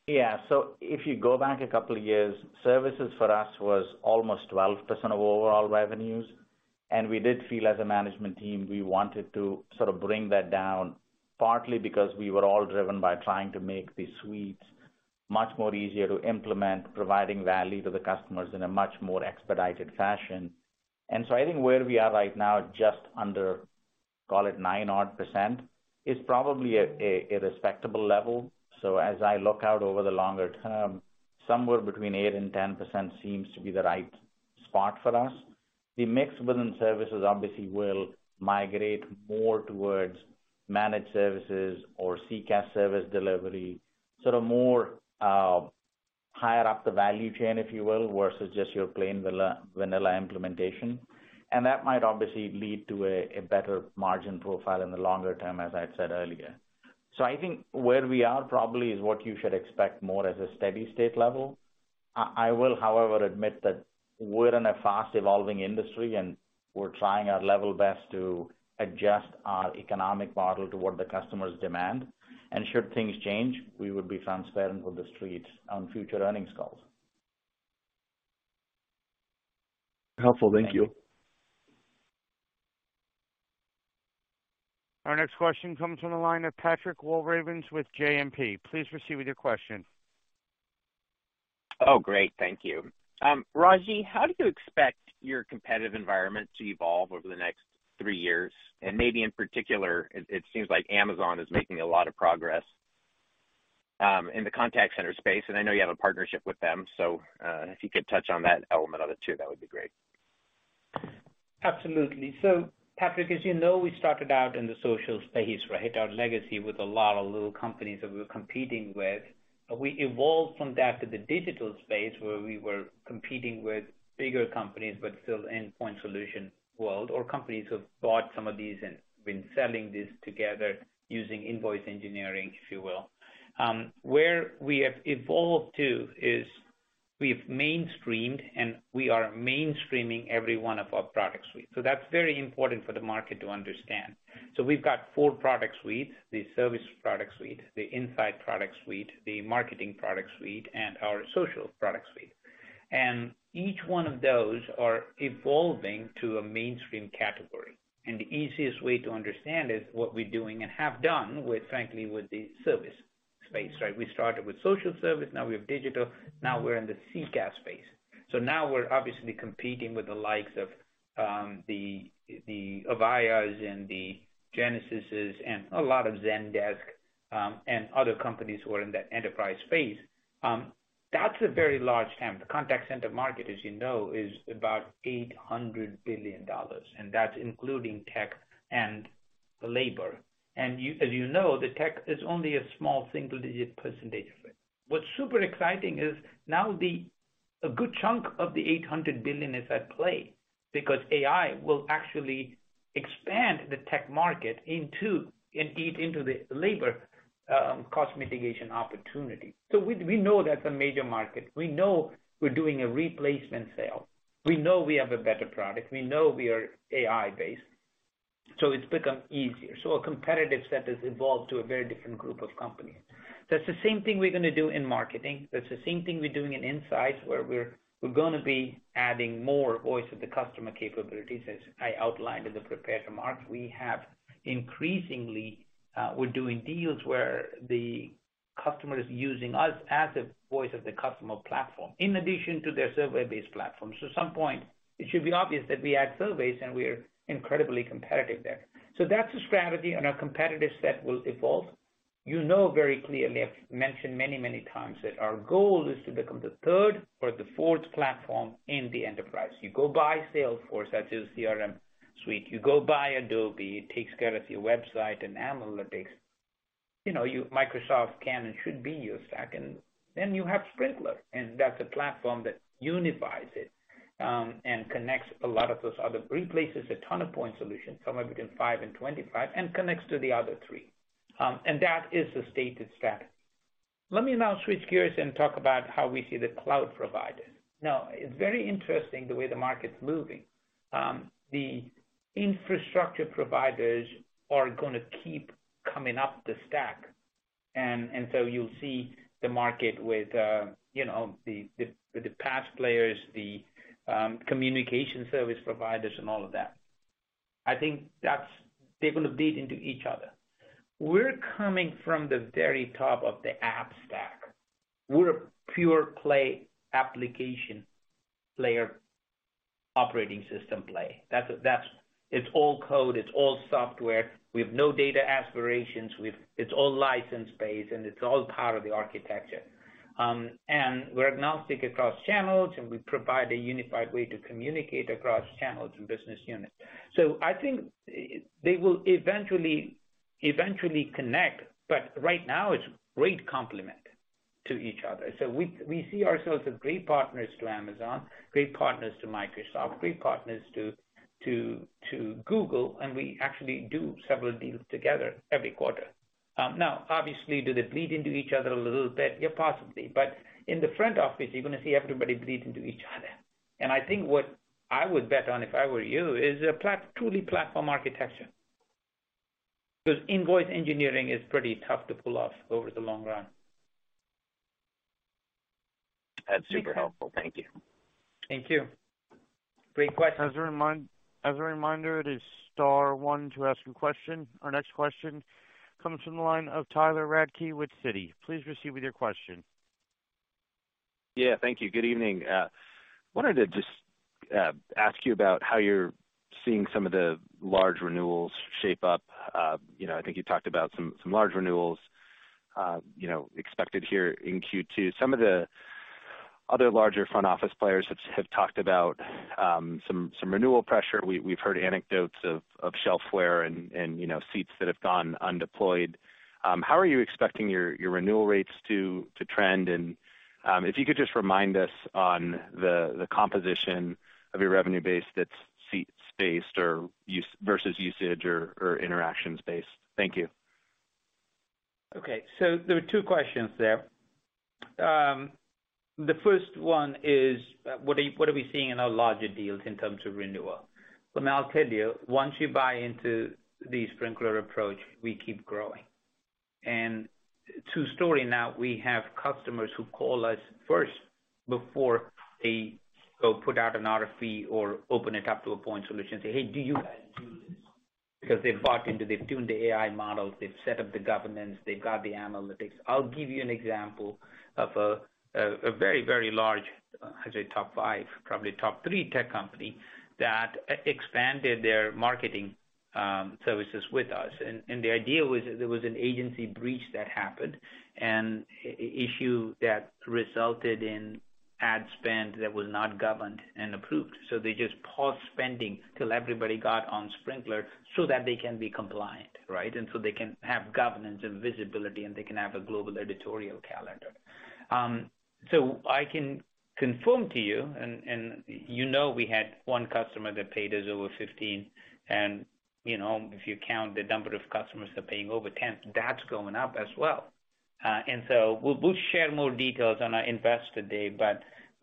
If you go back a couple of years, services for us was almost 12% of overall revenues, we did feel as a management team, we wanted to sort of bring that down, partly because we were all driven by trying to make the suites much more easier to implement, providing value to the customers in a much more expedited fashion. I think where we are right now, just under, call it 9% odd is probably a respectable level. As I look out over the longer term, somewhere between 8% and 10% seems to be the right spot for us. The mix within services obviously will migrate more towards managed services or CCaaS service delivery, sort of more higher up the value chain, if you will, versus just your plain vanilla implementation. That might obviously lead to a better margin profile in the longer term, as I said earlier. I think where we are probably is what you should expect more as a steady state level. I will, however, admit that we're in a fast-evolving industry, and we're trying our level best to adjust our economic model toward the customer's demand. Should things change, we would be transparent with the street on future earnings calls. Helpful. Thank you. Our next question comes from the line of Patrick Walravens with JMP. Please proceed with your question. Oh, great. Thank you. Ragy, how do you expect your competitive environment to evolve over the next three years? Maybe in particular, it seems like Amazon is making a lot of progress in the contact center space, and I know you have a partnership with them, so if you could touch on that element of it, too, that would be great. Absolutely. Patrick, as you know, we started out in the social space, right? Our legacy with a lot of little companies that we were competing with. We evolved from that to the digital space, where we were competing with bigger companies, but still endpoint solution world, or companies who bought some of these and been selling this together using invoice engineering, if you will. Where we have evolved to is we've mainstreamed, and we are mainstreaming every one of our product suites. That's very important for the market to understand. We've got four product suites: the Service product suite, the Insights product suite, the Marketing product suite, and our Social product suite. Each one of those are evolving to a mainstream category, and the easiest way to understand is what we're doing and have done with, frankly, with the service space, right? We started with social service, now we have digital, now we're in the CCaaS space. Now we're obviously competing with the likes of the Avayas and the Genesyses and a lot of Zendesk and other companies who are in that enterprise space. That's a very large TAM. The contact center market, as you know, is about $800 billion, and that's including tech and the labor. As you know, the tech is only a small single-digit percentage of it. What's super exciting is now A good chunk of the $800 billion is at play because AI will actually expand the tech market into, indeed, into the labor cost mitigation opportunity. We know that's a major market. We know we're doing a replacement sale. We know we have a better product. We know we are AI-based, so it's become easier. Our competitive set has evolved to a very different group of companies. That's the same thing we're gonna do in Marketing. That's the same thing we're doing in Insights, where we're gonna be adding more voice of the customer capabilities, as I outlined in the prepared remarks. We have increasingly, we're doing deals where the customer is using us as a voice of the customer platform, in addition to their survey-based platform. At some point, it should be obvious that we add surveys, and we're incredibly competitive there. That's the strategy, and our competitive set will evolve. You know very clearly, I've mentioned many, many times, that our goal is to become the third or the fourth platform in the enterprise. You go buy Salesforce, that's your CRM suite. You go buy Adobe, it takes care of your website and analytics. You know, Microsoft can and should be your second, then you have Sprinklr, and that's a platform that unifies it and connects a lot of those other. Replaces a ton of point solutions, somewhere between 5 and 25, and connects to the other three. That is the stated strategy. Let me now switch gears and talk about how we see the cloud provider. It's very interesting the way the market's moving. The infrastructure providers are gonna keep coming up the stack, and so you'll see the market with, you know, the PaaS players, the communication service providers and all of that. I think that's, they will bleed into each other. We're coming from the very top of the app stack. We're a pure play application layer, operating system play. That's, it's all code, it's all software. We have no data aspirations. It's all license-based, and it's all part of the architecture. And we're agnostic across channels, and we provide a unified way to communicate across channels and business units. I think they will eventually connect, but right now it's great complement to each other. We see ourselves as great partners to Amazon, great partners to Microsoft, great partners to Google, and we actually do several deals together every quarter. Now, obviously, do they bleed into each other a little bit? Yeah, possibly. In the front office, you're gonna see everybody bleed into each other. I think what I would bet on, if I were you, is a truly platform architecture, because invoice engineering is pretty tough to pull off over the long run. That's super helpful. Thank you. Thank you. Great question. As a reminder, it is star one to ask a question. Our next question comes from the line of Tyler Radke with Citi. Please proceed with your question. Yeah, thank you. Good evening. wanted to just ask you about how you're seeing some of the large renewals shape up. you know, I think you talked about some large renewals, you know, expected here in Q2. Some of the other larger front office players have talked about some renewal pressure. We've heard anecdotes of shelfware and, you know, seats that have gone undeployed. How are you expecting your renewal rates to trend? If you could just remind us on the composition of your revenue base that's seats based or versus usage or interactions based? Thank you. There are two questions there. The first one is, what are we seeing in our larger deals in terms of renewal? I'll tell you, once you buy into the Sprinklr approach, we keep growing. True story, now we have customers who call us first before they go put out an RFP or open it up to a point solution, say, "Hey, do you guys do this?" Because they've bought into it, they've tuned the AI models, they've set up the governance, they've got the analytics. I'll give you an example of a very, very large, I'd say top five, probably top three tech company that expanded their marketing services with us. The idea was that there was an agency breach that happened and issue that resulted in ad spend that was not governed and approved. They just paused spending till everybody got on Sprinklr so that they can be compliant, right? They can have governance and visibility, and they can have a global editorial calendar. I can confirm to you, and you know, we had one customer that paid us over 15. You know, if you count the number of customers that are paying over 10, that's going up as well. We'll share more details on our Investor Day, but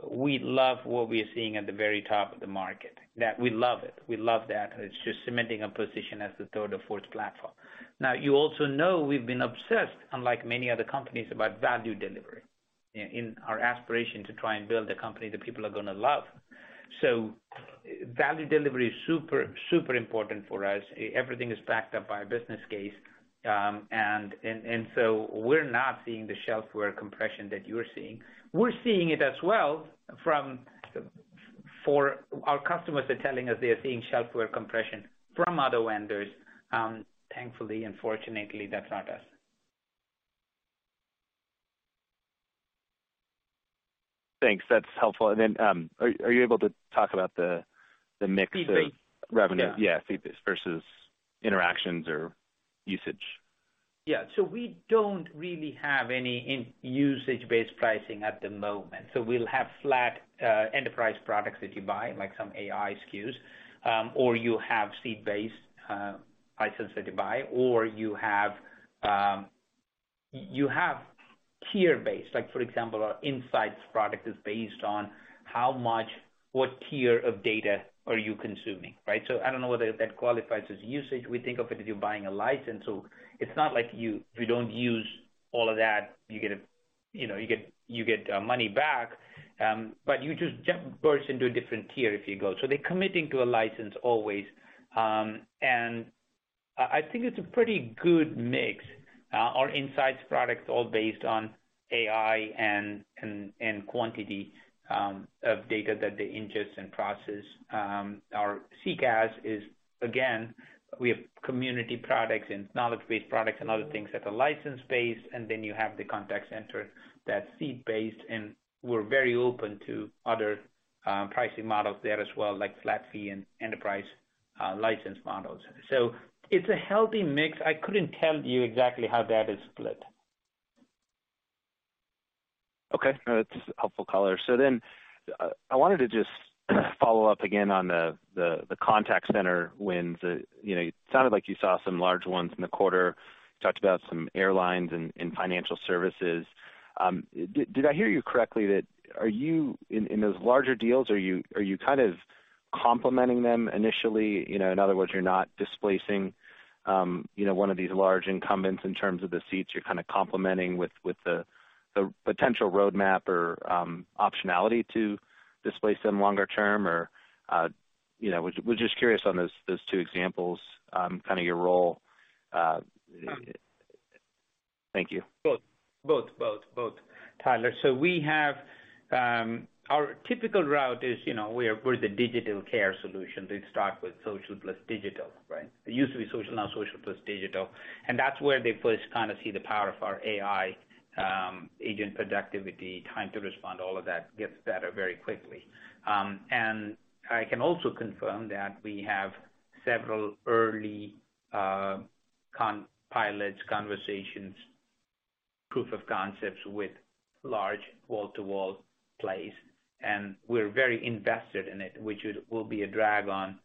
we love what we are seeing at the very top of the market. That we love it. We love that, and it's just cementing a position as the third or fourth platform. Now, you also know we've been obsessed, unlike many other companies, about value delivery, in our aspiration to try and build a company that people are gonna love. Value delivery is super important for us. everything is backed up by a business case, we're not seeing the shelfware compression that you're seeing. We're seeing it as well. For our customers, they're telling us they are seeing shelfware compression from other vendors. Thankfully, and fortunately, that's not us. Thanks. That's helpful. Are you able to talk about the mix of— Feel free. Revenue? Yeah, feel free, versus interactions or usage. Yeah, we don't really have any in usage-based pricing at the moment. We'll have flat enterprise products that you buy, like some AI SKUs, or you have seat-based license that you buy, or you have tier-based, like, for example, our Insights product is based on how much, what tier of data are you consuming, right? I don't know whether that qualifies as usage. We think of it as you're buying a license, so it's not like if you don't use all of that, you get a, you know, money back, but you just burst into a different tier if you go. They're committing to a license always. I think it's a pretty good mix. Our Insights products all based on AI and quantity of data that they ingest and process. Our CCaaS is, again, we have community products and knowledge-based products and other things that are license-based, and then you have the contact center that's seat-based, and we're very open to other pricing models there as well, like flat fee and enterprise license models. It's a healthy mix. I couldn't tell you exactly how that is split. Okay. No, that's a helpful color. I wanted to just follow up again on the contact center wins. You know, it sounded like you saw some large ones in the quarter. You talked about some airlines and financial services. Did I hear you correctly that—are you, in those larger deals, are you kind of complementing them initially? You know, in other words, you're not displacing, you know, one of these large incumbents in terms of the seats, you're kind of complementing with the potential roadmap or optionality to displace them longer term. Was just curious on those two examples, kind of your role. Thank you. Both, Tyler. We have our typical route is, you know, we are, we're the digital care solution. We start with social plus digital, right? It used to be social, now social plus digital, and that's where they first kind of see the power of our AI, agent productivity, time to respond, all of that gets better very quickly. I can also confirm that we have several early pilots, conversations, proof of concepts with large wall-to-wall plays, and we're very invested in it, which will be a drag on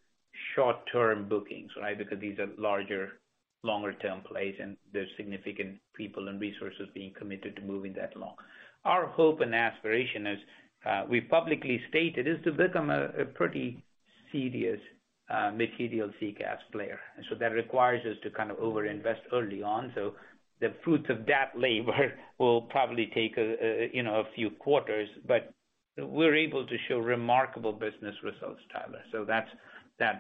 short-term bookings, right? These are larger, longer term plays, and there's significant people and resources being committed to moving that along. Our hope and aspiration, as we've publicly stated, is to become a pretty serious, material CCaaS player. That requires us to kind of overinvest early on. The fruits of that labor will probably take a, you know, a few quarters, but we're able to show remarkable business results, Tyler. That's,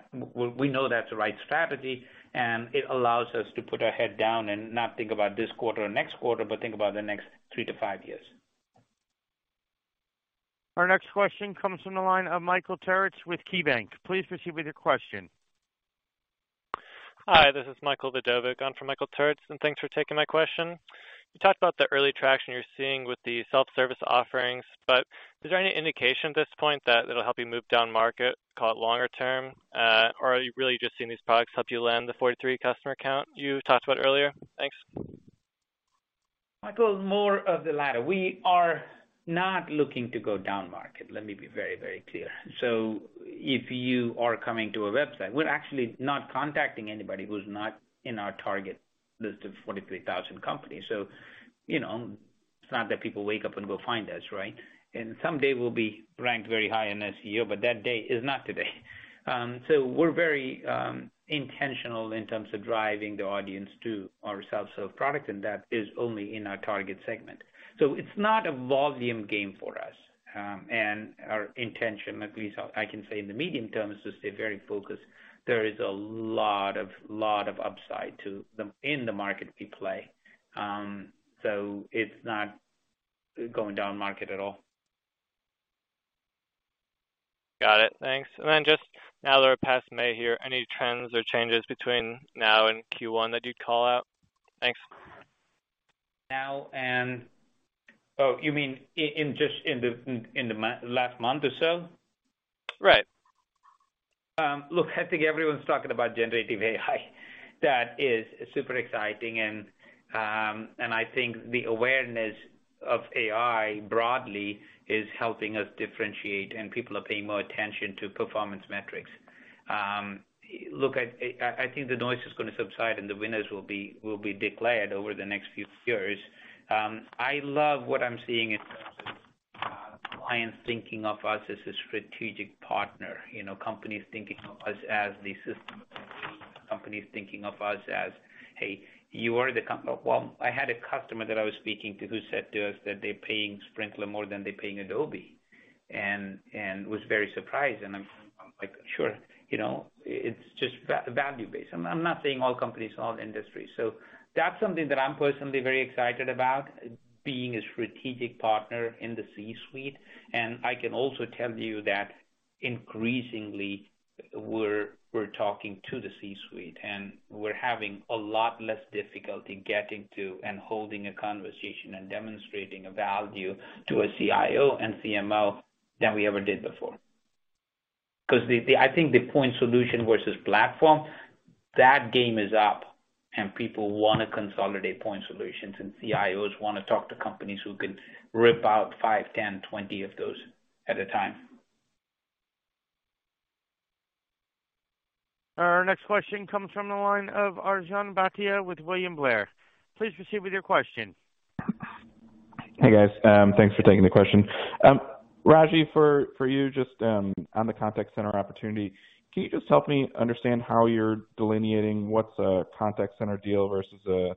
we know that's the right strategy, and it allows us to put our head down and not think about this quarter or next quarter, but think about the next three to five years. Our next question comes from the line of Michael Turits with KeyBanc. Please proceed with your question. Hi, this is Michael Vidovic on for Michael Turits, and thanks for taking my question. You talked about the early traction you're seeing with the self-service offerings. Is there any indication at this point that it'll help you move down market, call it longer term, or are you really just seeing these products help you land the 43 customer count you talked about earlier? Thanks. Michael, more of the latter. We are not looking to go down market, let me be very, very clear. If you are coming to a website, we're actually not contacting anybody who's not in our target list of 43,000 companies. You know, it's not that people wake up and go find us, right? Someday we'll be ranked very high in SEO, but that day is not today. We're very intentional in terms of driving the audience to our self-service product, and that is only in our target segment. It's not a volume game for us. Our intention, at least I can say in the medium term, is to stay very focused. There is a lot of upside in the market we play. It's not going down market at all. Got it. Thanks. Just now that we're past May here, any trends or changes between now and Q1 that you'd call out? Thanks. Oh, you mean in just in the last month or so? Right. Look, I think everyone's talking about Generative AI. That is super exciting, and I think the awareness of AI broadly is helping us differentiate, and people are paying more attention to performance metrics. Look, I think the noise is gonna subside, and the winners will be declared over the next few years. I love what I'm seeing in terms of clients thinking of us as a strategic partner, you know, companies thinking of us as the system, companies thinking of us as, "Hey, you are the" Well, I had a customer that I was speaking to who said to us that they're paying Sprinklr more than they're paying Adobe, and was very surprised. I'm like, sure, you know, it's just value-based. I'm not saying all companies, all industries. That's something that I'm personally very excited about, being a strategic partner in the C-suite. I can also tell you that increasingly, we're talking to the C-suite, and we're having a lot less difficulty getting to and holding a conversation and demonstrating a value to a CIO and CMO than we ever did before. 'Cause the, I think the point solution versus platform, that game is up, and people wanna consolidate point solutions, and CIOs wanna talk to companies who can rip out five, 10, 20 of those at a time. Our next question comes from the line of Arjun Bhatia with William Blair. Please proceed with your question. Hey, guys. Thanks for taking the question. Ragy, for you, just on the contact center opportunity, can you just help me understand how you're delineating what's a contact center deal versus a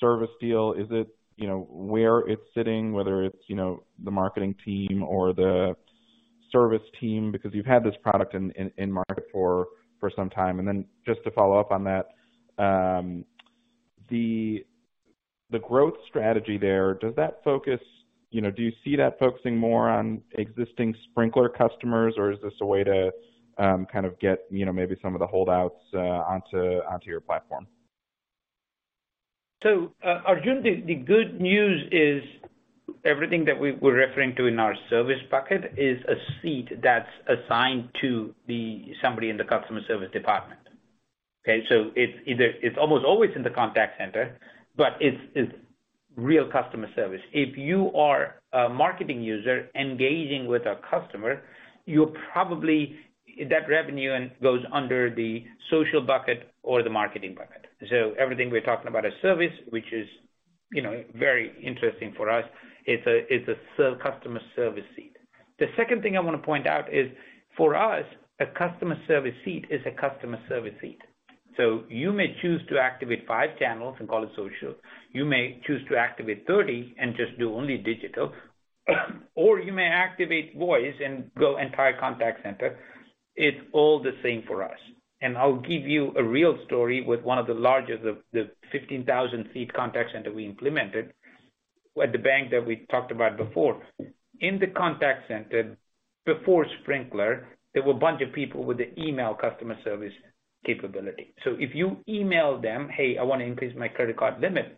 service deal? Is it, you know, where it's sitting, whether it's, you know, the marketing team or the service team? You've had this product in market for some time. Just to follow up on that, the growth strategy there, does that focus, you know, do you see that focusing more on existing Sprinklr customers, or is this a way to kind of get, you know, maybe some of the holdouts onto your platform? Arjun Bhatia, the good news is, everything that we were referring to in our service bucket is a seat that's assigned to somebody in the customer service department, okay? It's either, it's almost always in the contact center, but it's real customer service. If you are a marketing user engaging with a customer, you're probably that revenue and goes under the social bucket or the marketing bucket. Everything we're talking about is service, which is, you know, very interesting for us. It's a, it's a customer service seat. The second thing I wanna point out is, for us, a customer service seat is a customer service seat. You may choose to activate five channels and call it social. You may choose to activate 30 and just do only digital. You may activate voice and go entire contact center. It's all the same for us. I'll give you a real story with one of the largest of the 15,000-seat contact center we implemented, with the bank that we talked about before. In the contact center, before Sprinklr, there were a bunch of people with the email customer service capability. If you email them, "Hey, I wanna increase my credit card limit,"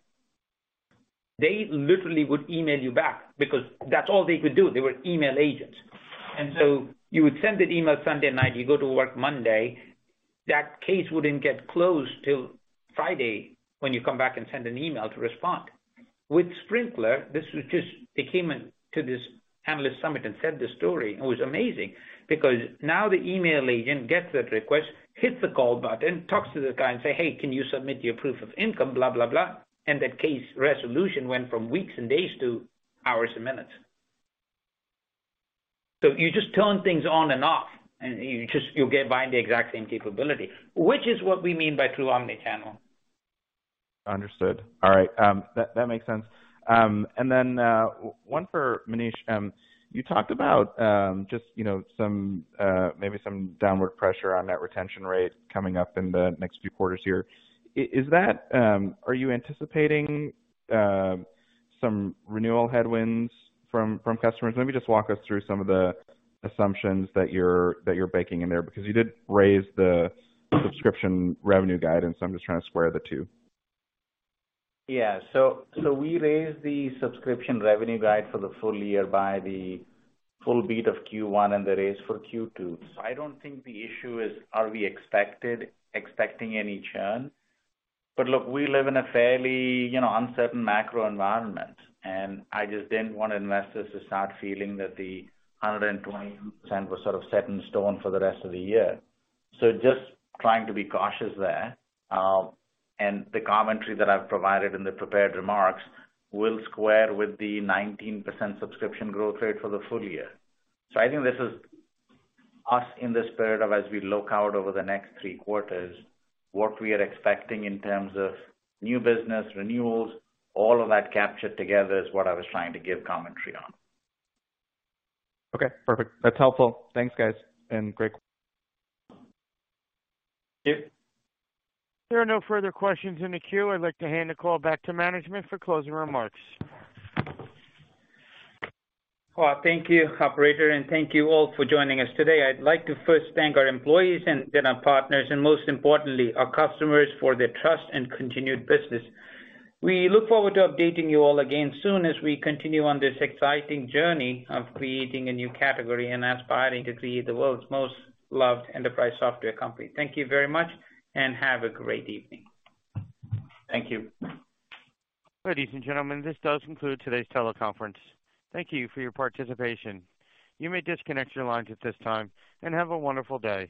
they literally would email you back because that's all they could do. They were email agents. You would send that email Sunday night, you go to work Monday, that case wouldn't get closed till Friday, when you come back and send an email to respond. With Sprinklr, they came in to this analyst summit and said this story. It was amazing, because now the email agent gets that request, hits the call button, talks to the guy and say, "Hey, can you submit your proof of income?" Blah, blah. That case resolution went from weeks and days to hours and minutes. You just turn things on and off, and you'll get buying the exact same capability, which is what we mean by true omni-channel. Understood. All right, that makes sense. Then, one for Manish. You talked about, just, you know, some, maybe some downward pressure on that retention rate coming up in the next few quarters here. Is that, are you anticipating, some renewal headwinds from customers? Let me just walk us through some of the assumptions that you're baking in there, because you did raise the subscription revenue guidance, so I'm just trying to square the two. We raised the subscription revenue guide for the full-year by the full beat of Q1 and the raise for Q2. I don't think the issue is, are we expecting any churn? Look, we live in a fairly, you know, uncertain macro environment, and I just didn't want investors to start feeling that the 120% was sort of set in stone for the rest of the year. Just trying to be cautious there. The commentary that I've provided in the prepared remarks will square with the 19% subscription growth rate for the full-year. I think this is us in the spirit of as we look out over the next three quarters, what we are expecting in terms of new business, renewals, all of that captured together is what I was trying to give commentary on. Okay, perfect. That's helpful. Thanks, guys, and great. Thank you. There are no further questions in the queue. I'd like to hand the call back to management for closing remarks. Well, thank you, operator, and thank you all for joining us today. I'd like to first thank our employees and then our partners, and most importantly, our customers, for their trust and continued business. We look forward to updating you all again soon as we continue on this exciting journey of creating a new category and aspiring to be the world's most loved enterprise software company. Thank you very much and have a great evening. Thank you. Ladies and gentlemen, this does conclude today's teleconference. Thank you for your participation. You may disconnect your lines at this time, and have a wonderful day.